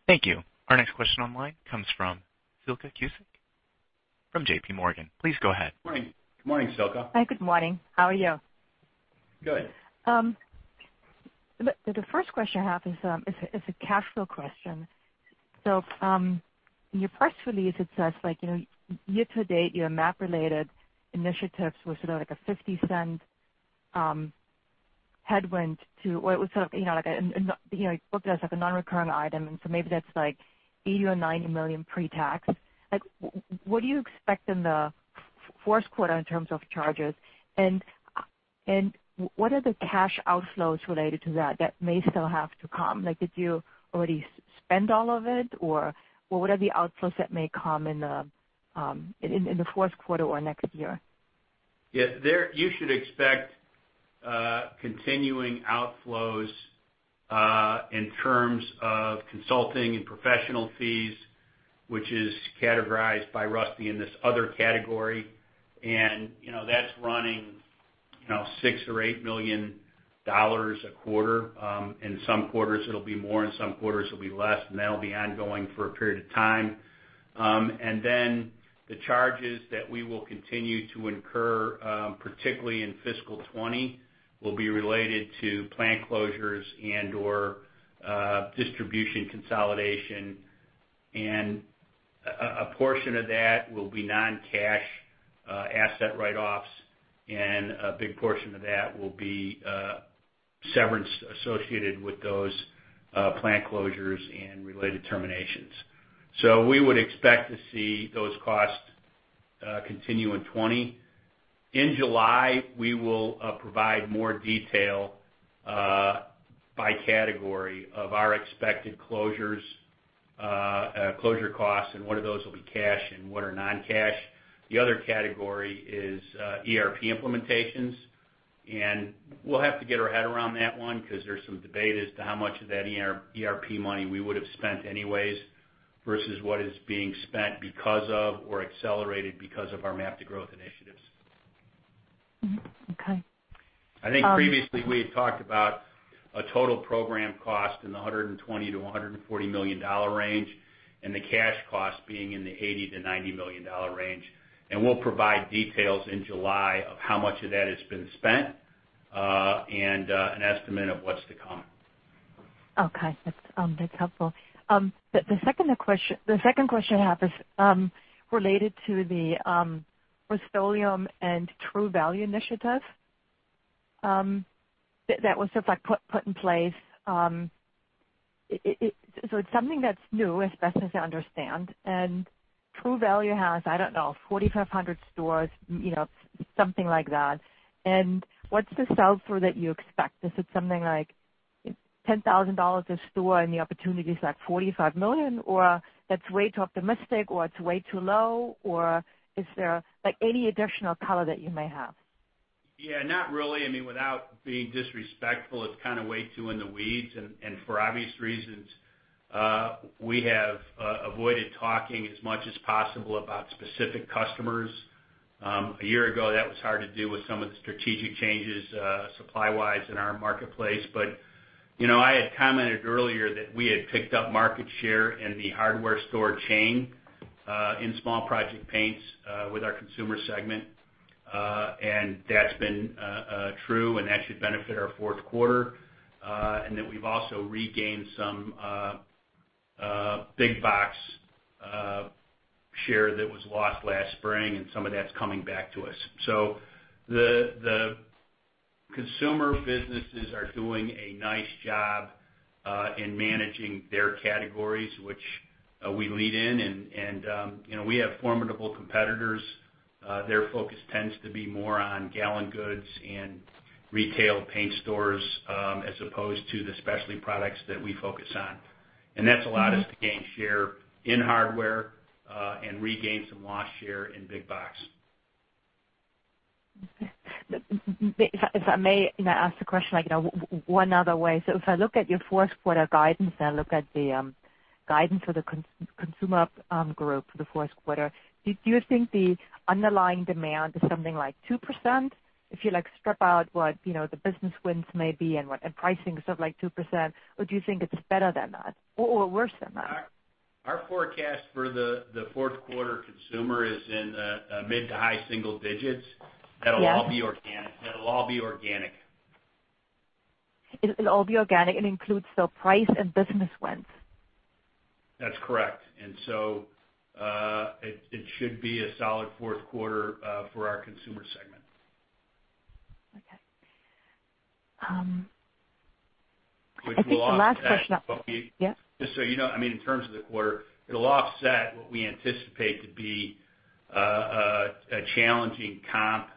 Thank you. Our next question on line comes from Silke Kussk from JPMorgan. Please go ahead. Morning. Good morning, Silke. Hi, good morning. How are you? Good. The first question I have is a cash flow question. In your press release, it says year-to-date, your MAP-related initiatives were sort of like a $0.50 headwind, or it was sort of booked as like a non-recurring item. Maybe that's like $80 million or $90 million pretax. What do you expect in the fourth quarter in terms of charges? What are the cash outflows related to that that may still have to come? Did you already spend all of it or what are the outflows that may come in the fourth quarter or next year? Yeah. You should expect continuing outflows in terms of consulting and professional fees, which is categorized by Rusty in this other category and that's running $6 million or $8 million a quarter. In some quarters it'll be more, in some quarters it'll be less, and that'll be ongoing for a period of time. The charges that we will continue to incur, particularly in fiscal 2020, will be related to plant closures and/or distribution consolidation. A portion of that will be non-cash asset write-offs, and a big portion of that will be severance associated with those plant closures and related terminations. We would expect to see those costs continue in 2020. In July, we will provide more detail by category of our expected closure costs, and what of those will be cash and what are non-cash. The other category is ERP implementations, and we'll have to get our head around that one because there's some debate as to how much of that ERP money we would have spent anyways versus what is being spent because of or accelerated because of our MAP to Growth initiatives. Mm-hmm. Okay. I think previously we had talked about a total program cost in the $120 million-$140 million range, and the cash cost being in the $80 million-$90 million range. We'll provide details in July of how much of that has been spent, and an estimate of what's to come. Okay. That's helpful. The second question I have is related to the Rust-Oleum and True Value initiative that was put in place. It's something that's new, as best as I understand. True Value has, I don't know, 4,500 stores, something like that. What's the sell-through that you expect? Is it something like $10,000 a store and the opportunity is like $45 million, or that's way too optimistic, or it's way too low? Is there any additional color that you may have? Yeah, not really. Without being disrespectful, it's kind of way too in the weeds. For obvious reasons, we have avoided talking as much as possible about specific customers. A year ago, that was hard to do with some of the strategic changes supply-wise in our marketplace. I had commented earlier that we had picked up market share in the hardware store chain in small project paints with our consumer segment. That's been true, and that should benefit our fourth quarter. We've also regained some big box share that was lost last spring, and some of that's coming back to us. The consumer businesses are doing a nice job in managing their categories, which we lead in. We have formidable competitors. Their focus tends to be more on gallon goods and retail paint stores, as opposed to the specialty products that we focus on. That's allowed us to gain share in hardware, and regain some lost share in big box. If I may ask the question one other way. If I look at your fourth quarter guidance, and I look at the guidance for the consumer group for the fourth quarter, do you think the underlying demand is something like 2%? If you strip out what the business wins may be and pricing is up like 2%, or do you think it's better than that or worse than that? Our forecast for the fourth quarter consumer is in mid to high single digits. Yeah. That'll all be organic. It'll all be organic and includes the price and business wins. That's correct. It should be a solid fourth quarter for our consumer segment. Okay. I think the last question- Which will offset what we- Yeah. Just so you know, in terms of the quarter, it'll offset what we anticipate to be a challenging comp,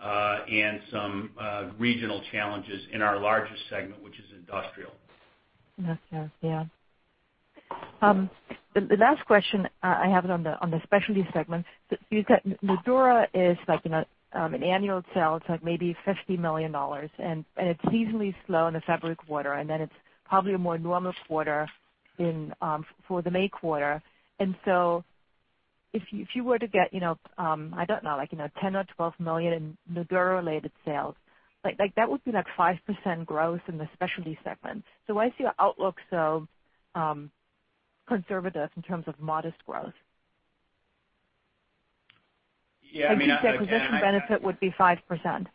and some regional challenges in our largest segment, which is industrial. That's it. Yeah. The last question I have is on the Specialty segment. You said Nudura is an annual sale. It's like maybe $50 million, and it's seasonally slow in the February quarter, then it's probably a more normal quarter for the May quarter. If you were to get, I don't know, like $10 million or $12 million in Nudura-related sales, that would be like 5% growth in the Specialty segment. Why is your outlook so conservative in terms of modest growth? Yeah, I mean, The acquisition benefit would be 5%.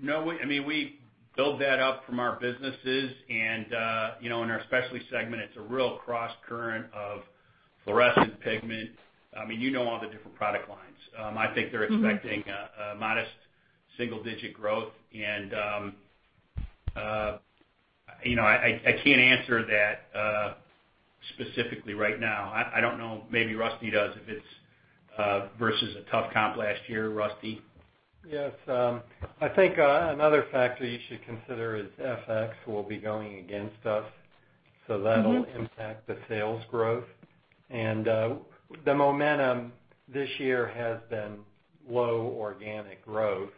No, we build that up from our businesses. In our Specialty segment, it's a real cross-current of fluorescent pigment. You know all the different product lines. I think they're expecting a modest single-digit growth. I can't answer that specifically right now. I don't know, maybe Rusty does, if it's versus a tough comp last year. Rusty? Yes. I think another factor you should consider is FX will be going against us. That'll impact the sales growth. The momentum this year has been low organic growth.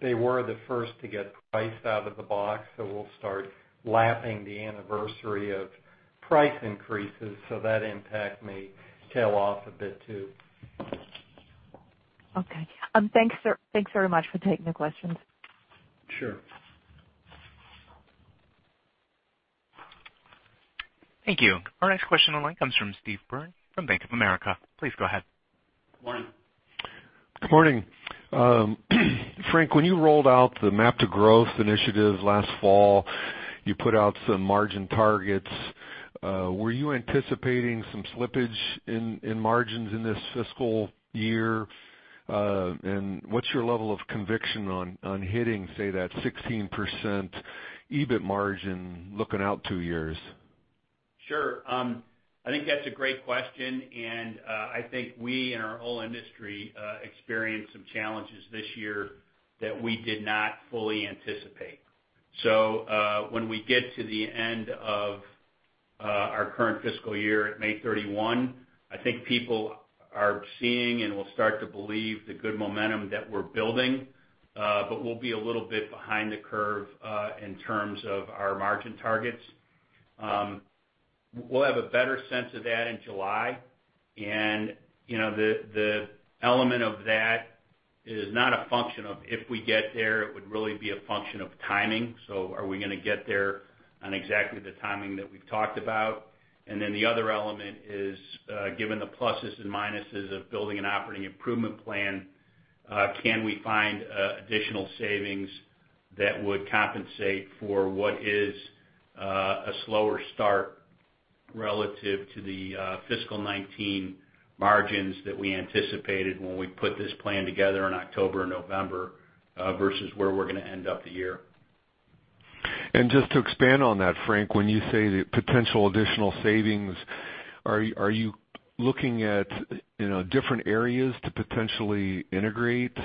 They were the first to get price out of the box, so we'll start lapping the anniversary of price increases. That impact may tail off a bit, too. Okay. Thanks very much for taking the questions. Sure. Thank you. Our next question online comes from Steve Byrne from Bank of America. Please go ahead. Morning. Morning. Frank, when you rolled out the MAP to Growth initiative last fall, you put out some margin targets. Were you anticipating some slippage in margins in this fiscal year? What's your level of conviction on hitting, say, that 16% EBIT margin looking out two years? Sure. I think that's a great question. I think we and our whole industry experienced some challenges this year that we did not fully anticipate. When we get to the end of our current fiscal year at May 31, I think people are seeing and will start to believe the good momentum that we're building. We'll be a little bit behind the curve in terms of our margin targets. We'll have a better sense of that in July. The element of that is not a function of if we get there, it would really be a function of timing. Are we going to get there on exactly the timing that we've talked about? The other element is, given the pluses and minuses of building an operating improvement plan, can we find additional savings that would compensate for what is a slower start relative to the fiscal 2019 margins that we anticipated when we put this plan together in October and November versus where we're going to end up the year. Just to expand on that, Frank, when you say potential additional savings, are you looking at different areas to potentially integrate?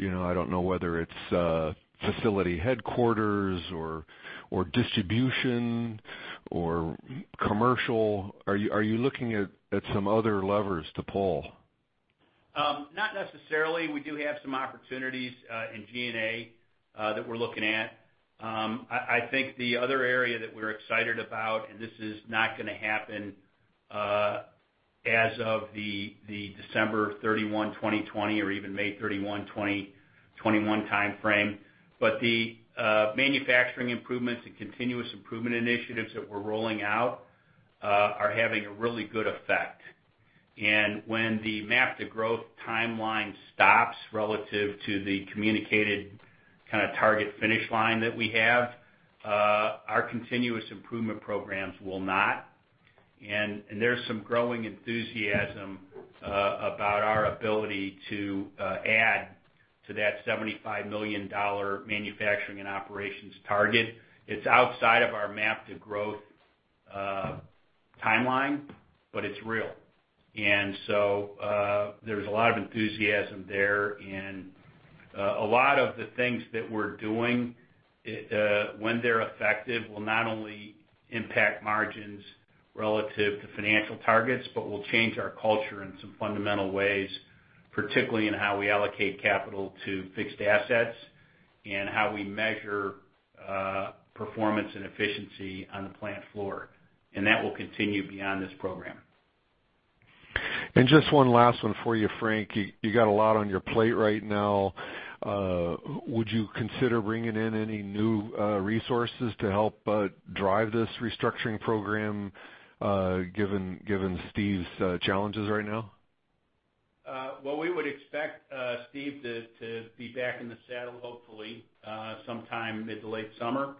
I don't know whether it's facility headquarters or distribution or commercial. Are you looking at some other levers to pull? Not necessarily. We do have some opportunities in G&A that we're looking at. I think the other area that we're excited about, this is not going to happen as of the December 31, 2020 or even May 31, 2021 timeframe. The manufacturing improvements and continuous improvement initiatives that we're rolling out are having a really good effect. When the MAP to Growth timeline stops relative to the communicated target finish line that we have, our continuous improvement programs will not. There's some growing enthusiasm about our ability to add to that $75 million manufacturing and operations target. It's outside of our MAP to Growth timeline, but it's real. There's a lot of enthusiasm there, and a lot of the things that we're doing, when they're effective, will not only impact margins relative to financial targets, but will change our culture in some fundamental ways, particularly in how we allocate capital to fixed assets and how we measure performance and efficiency on the plant floor. That will continue beyond this program. Just one last one for you, Frank. You got a lot on your plate right now. Would you consider bringing in any new resources to help drive this restructuring program, given Steve's challenges right now? Well, we would expect Steve to be back in the saddle, hopefully, sometime mid to late summer.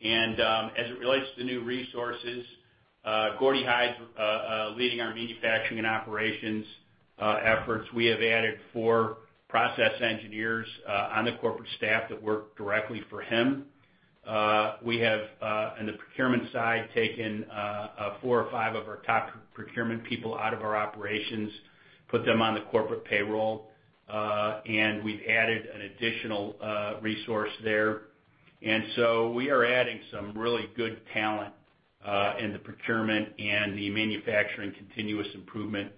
As it relates to new resources, Gordy Hyde's leading our manufacturing and operations efforts. We have added four process engineers on the corporate staff that work directly for him. We have on the procurement side, taken four or five of our top procurement people out of our operations, put them on the corporate payroll, and we've added an additional resource there. We are adding some really good talent in the procurement and the manufacturing continuous improvement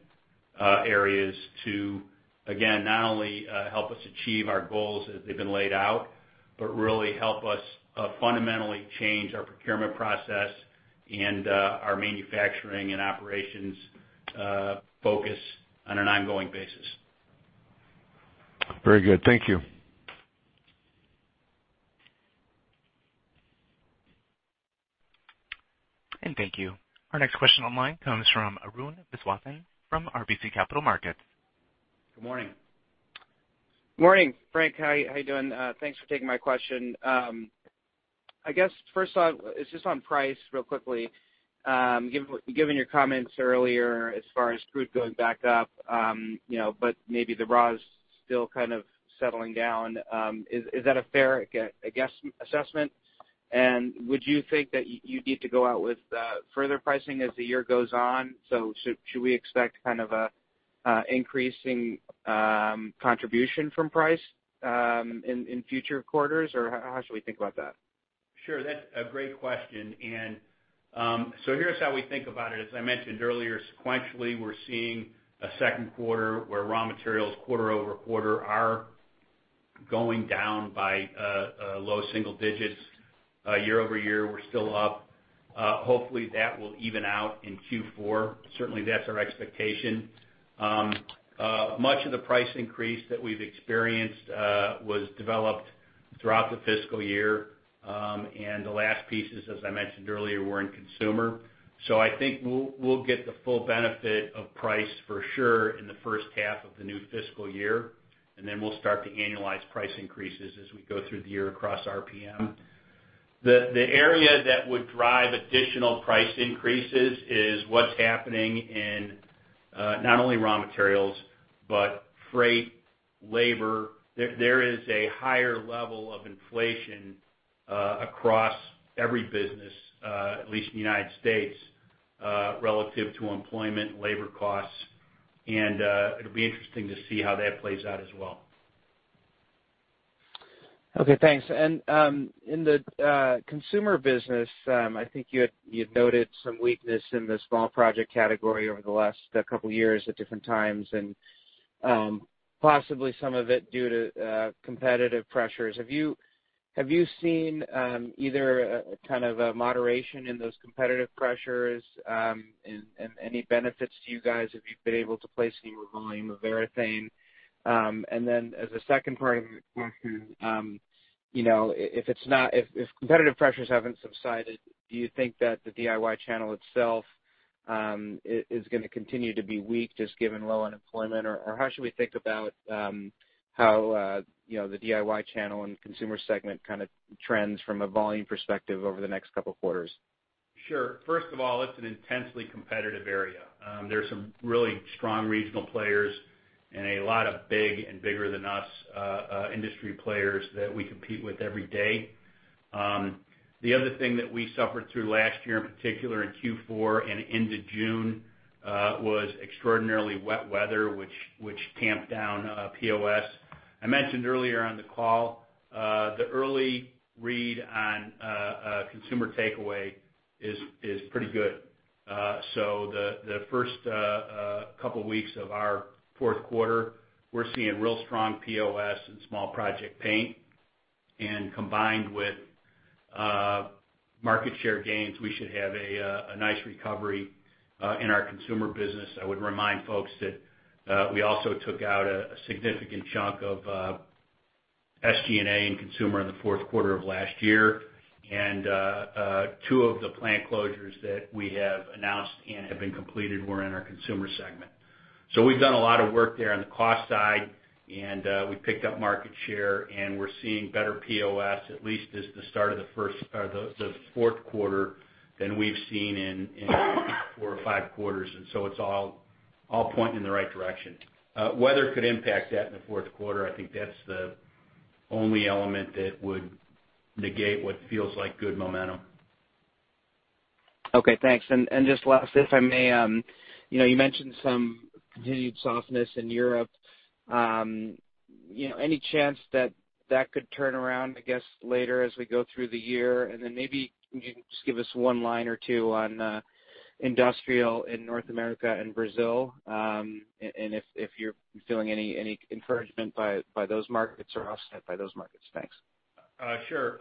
areas to, again, not only help us achieve our goals as they've been laid out, but really help us fundamentally change our procurement process and our manufacturing and operations focus on an ongoing basis. Very good. Thank you. Thank you. Our next question online comes from Arun Viswanathan from RBC Capital Markets. Good morning. Morning, Frank. How are you doing? Thanks for taking my question. I guess first off, it's just on price real quickly. Given your comments earlier as far as crude going back up, but maybe the raw is still kind of settling down, is that a fair assessment? Would you think that you'd need to go out with further pricing as the year goes on? Should we expect kind of an increasing contribution from price in future quarters? How should we think about that? Sure. That's a great question. Here's how we think about it. As I mentioned earlier, sequentially, we're seeing a second quarter where raw materials quarter-over-quarter are going down by low single digits. Year-over-year, we're still up. Hopefully, that will even out in Q4. Certainly, that's our expectation. Much of the price increase that we've experienced was developed throughout the fiscal year. The last pieces, as I mentioned earlier, were in consumer. I think we'll get the full benefit of price for sure in the first half of the new fiscal year, and then we'll start to annualize price increases as we go through the year across RPM. The area that would drive additional price increases is what's happening in not only raw materials, but freight, labor. There is a higher level of inflation across every business, at least in the U.S., relative to employment, labor costs. It'll be interesting to see how that plays out as well. Okay, thanks. In the consumer business, I think you had noted some weakness in the small project category over the last couple of years at different times and possibly some of it due to competitive pressures. Have you seen either a kind of a moderation in those competitive pressures and any benefits to you guys if you've been able to place any volume of urethane? As a second part of the question, if competitive pressures haven't subsided, do you think that the DIY channel itself is going to continue to be weak, just given low unemployment? Or how should we think about how the DIY channel and consumer segment kind of trends from a volume perspective over the next couple of quarters? Sure. First of all, it's an intensely competitive area. There's some really strong regional players and a lot of big and bigger than us industry players that we compete with every day. The other thing that we suffered through last year, in particular in Q4 and into June, was extraordinarily wet weather, which tamped down POS. I mentioned earlier on the call, the early read on consumer takeaway is pretty good. The first couple of weeks of our fourth quarter, we're seeing real strong POS in small project paint. Combined with market share gains, we should have a nice recovery in our consumer business. I would remind folks that we also took out a significant chunk of SG&A and consumer in the fourth quarter of last year. Two of the plant closures that we have announced and have been completed were in our consumer segment. We've done a lot of work there on the cost side, and we picked up market share, and we're seeing better POS, at least as the start of the fourth quarter than we've seen in four or five quarters. It's all pointing in the right direction. Weather could impact that in the fourth quarter. I think that's the only element that would negate what feels like good momentum. Okay, thanks. Just last, if I may, you mentioned some continued softness in Europe. Any chance that that could turn around, I guess, later as we go through the year? Then maybe you can just give us one line or two on industrial in North America and Brazil. If you're feeling any encouragement by those markets or offset by those markets. Thanks. Sure.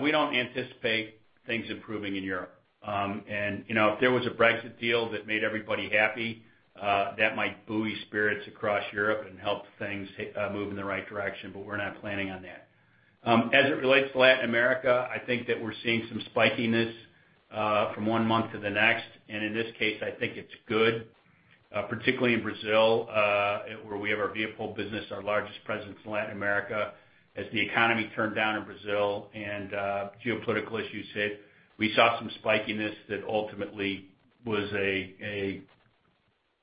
We don't anticipate things improving in Europe. If there was a Brexit deal that made everybody happy, that might buoy spirits across Europe and help things move in the right direction, but we're not planning on that. As it relates to Latin America, I think that we're seeing some spikiness from one month to the next. In this case, I think it's good, particularly in Brazil, where we have our Viapol business, our largest presence in Latin America. As the economy turned down in Brazil and geopolitical issues hit, we saw some spikiness that ultimately was a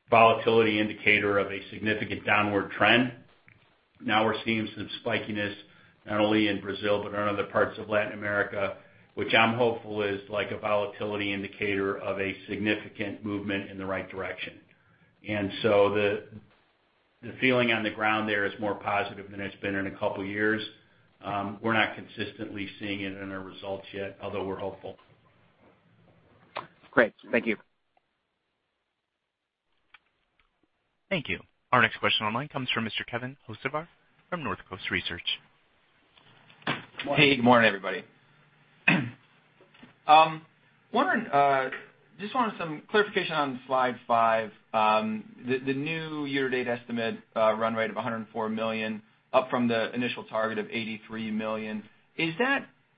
volatility indicator of a significant downward trend. Now we're seeing some spikiness, not only in Brazil, but in other parts of Latin America, which I'm hopeful is like a volatility indicator of a significant movement in the right direction. The feeling on the ground there is more positive than it's been in a couple of years. We're not consistently seeing it in our results yet, although we're hopeful. Great. Thank you. Thank you. Our next question online comes from Mr. Kevin Hocevar from Northcoast Research. Hey, good morning, everybody. Just wanted some clarification on slide five, the new year-to-date estimate run rate of $104 million, up from the initial target of $83 million.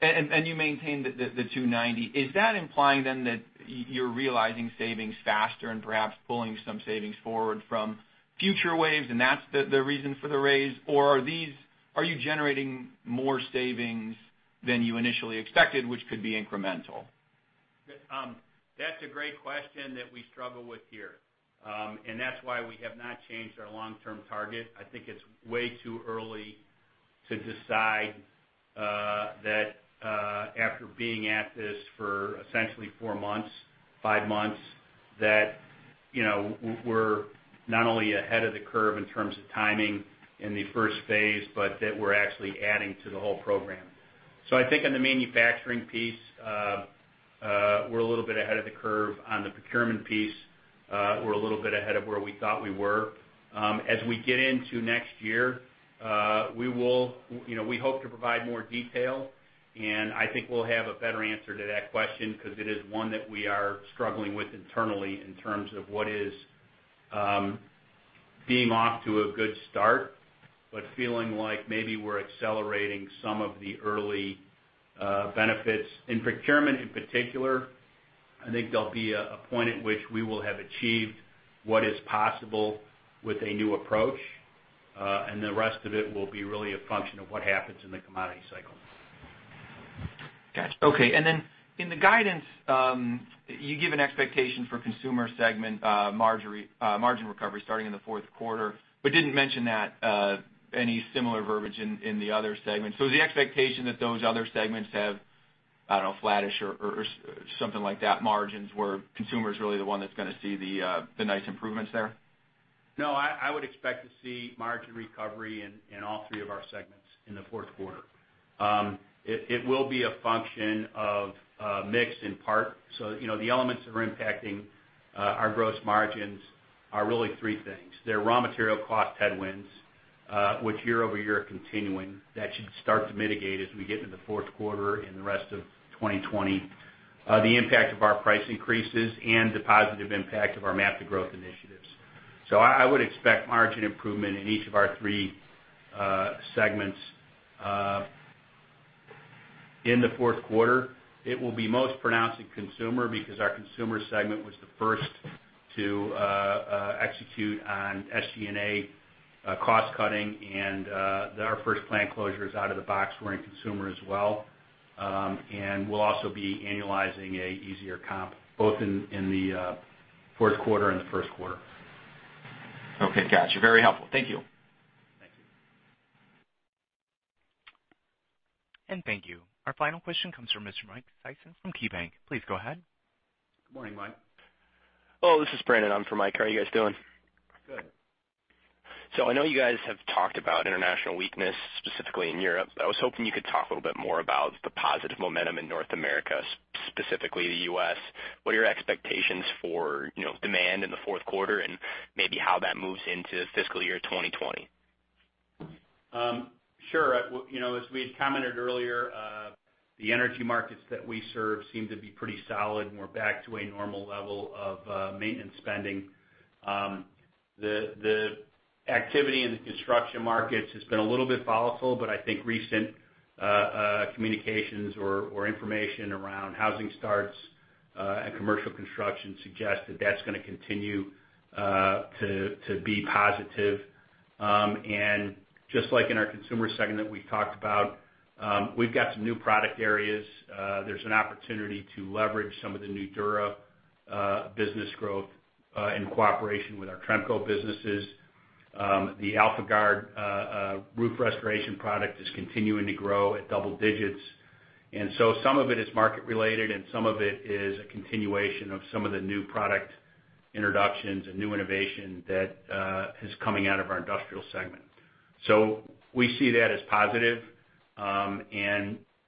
You maintained the $290. Is that implying that you're realizing savings faster and perhaps pulling some savings forward from future waves, and that's the reason for the raise? Are you generating more savings than you initially expected, which could be incremental? That's a great question that we struggle with here. That's why we have not changed our long-term target. I think it's way too early to decide that after being at this for essentially four months, five months, that we're not only ahead of the curve in terms of timing in the first phase, but that we're actually adding to the whole program. I think on the manufacturing piece, we're a little bit ahead of the curve. On the procurement piece, we're a little bit ahead of where we thought we were. As we get into next year, we hope to provide more detail, and I think we'll have a better answer to that question because it is one that we are struggling with internally in terms of what is being off to a good start, but feeling like maybe we're accelerating some of the early benefits. In procurement in particular, I think there'll be a point at which we will have achieved what is possible with a new approach, and the rest of it will be really a function of what happens in the commodity cycle. Got you. Okay. You give an expectation for Consumer segment margin recovery starting in the fourth quarter, didn't mention any similar verbiage in the other segments. Is the expectation that those other segments have, I don't know, flattish or something like that margins where Consumer is really the one that's gonna see the nice improvements there? No, I would expect to see margin recovery in all three of our segments in the fourth quarter. It will be a function of mix in part. The elements that are impacting our gross margins are really three things. They're raw material cost headwinds, which year-over-year are continuing. That should start to mitigate as we get into the fourth quarter and the rest of 2020. The impact of our price increases and the positive impact of our MAP to Growth initiatives. I would expect margin improvement in each of our three segments in the fourth quarter. It will be most pronounced in Consumer because our Consumer segment was the first to execute on SG&A cost cutting and our first plant closures out of the box were in Consumer as well. We'll also be annualizing a easier comp both in the fourth quarter and the first quarter. Okay. Got you. Very helpful. Thank you. Thank you. Thank you. Our final question comes from Mr. Mike Sison from KeyBanc. Please go ahead. Good morning, Mike. Hello, this is Brandon. I'm for Mike. How are you guys doing? Good. I know you guys have talked about international weakness, specifically in Europe. I was hoping you could talk a little bit more about the positive momentum in North America, specifically the U.S. What are your expectations for demand in the fourth quarter and maybe how that moves into fiscal year 2020? Sure. As we had commented earlier, the energy markets that we serve seem to be pretty solid, and we're back to a normal level of maintenance spending. The activity in the construction markets has been a little bit volatile, but I think recent communications or information around housing starts, and commercial construction suggest that that's going to continue to be positive. Just like in our consumer segment we've talked about, we've got some new product areas. There's an opportunity to leverage some of the Nudura business growth, in cooperation with our Tremco businesses. The AlphaGuard roof restoration product is continuing to grow at double digits. Some of it is market related and some of it is a continuation of some of the new product introductions and new innovation that is coming out of our industrial segment. We see that as positive.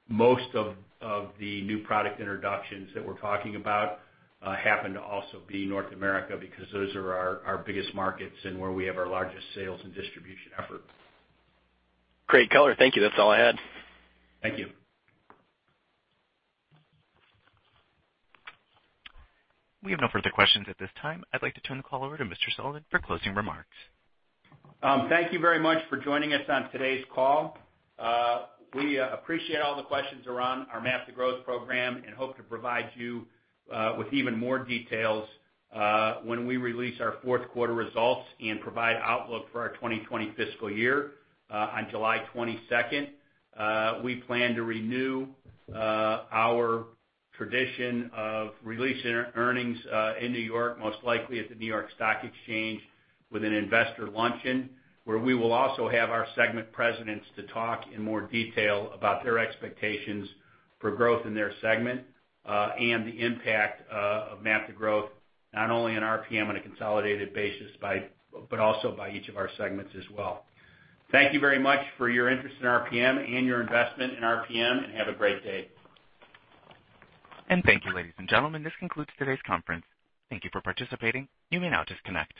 Most of the new product introductions that we're talking about happen to also be North America, because those are our biggest markets and where we have our largest sales and distribution effort. Great color. Thank you. That's all I had. Thank you. We have no further questions at this time. I'd like to turn the call over to Mr. Sullivan for closing remarks. Thank you very much for joining us on today's call. We appreciate all the questions around our MAP to Growth program and hope to provide you with even more details when we release our fourth quarter results and provide outlook for our 2020 fiscal year on July 22nd. We plan to renew our tradition of releasing earnings in New York, most likely at the New York Stock Exchange with an investor luncheon, where we will also have our segment presidents to talk in more detail about their expectations for growth in their segment, and the impact of MAP to Growth, not only in RPM on a consolidated basis, but also by each of our segments as well. Thank you very much for your interest in RPM and your investment in RPM, have a great day. Thank you, ladies and gentlemen. This concludes today's conference. Thank you for participating. You may now disconnect.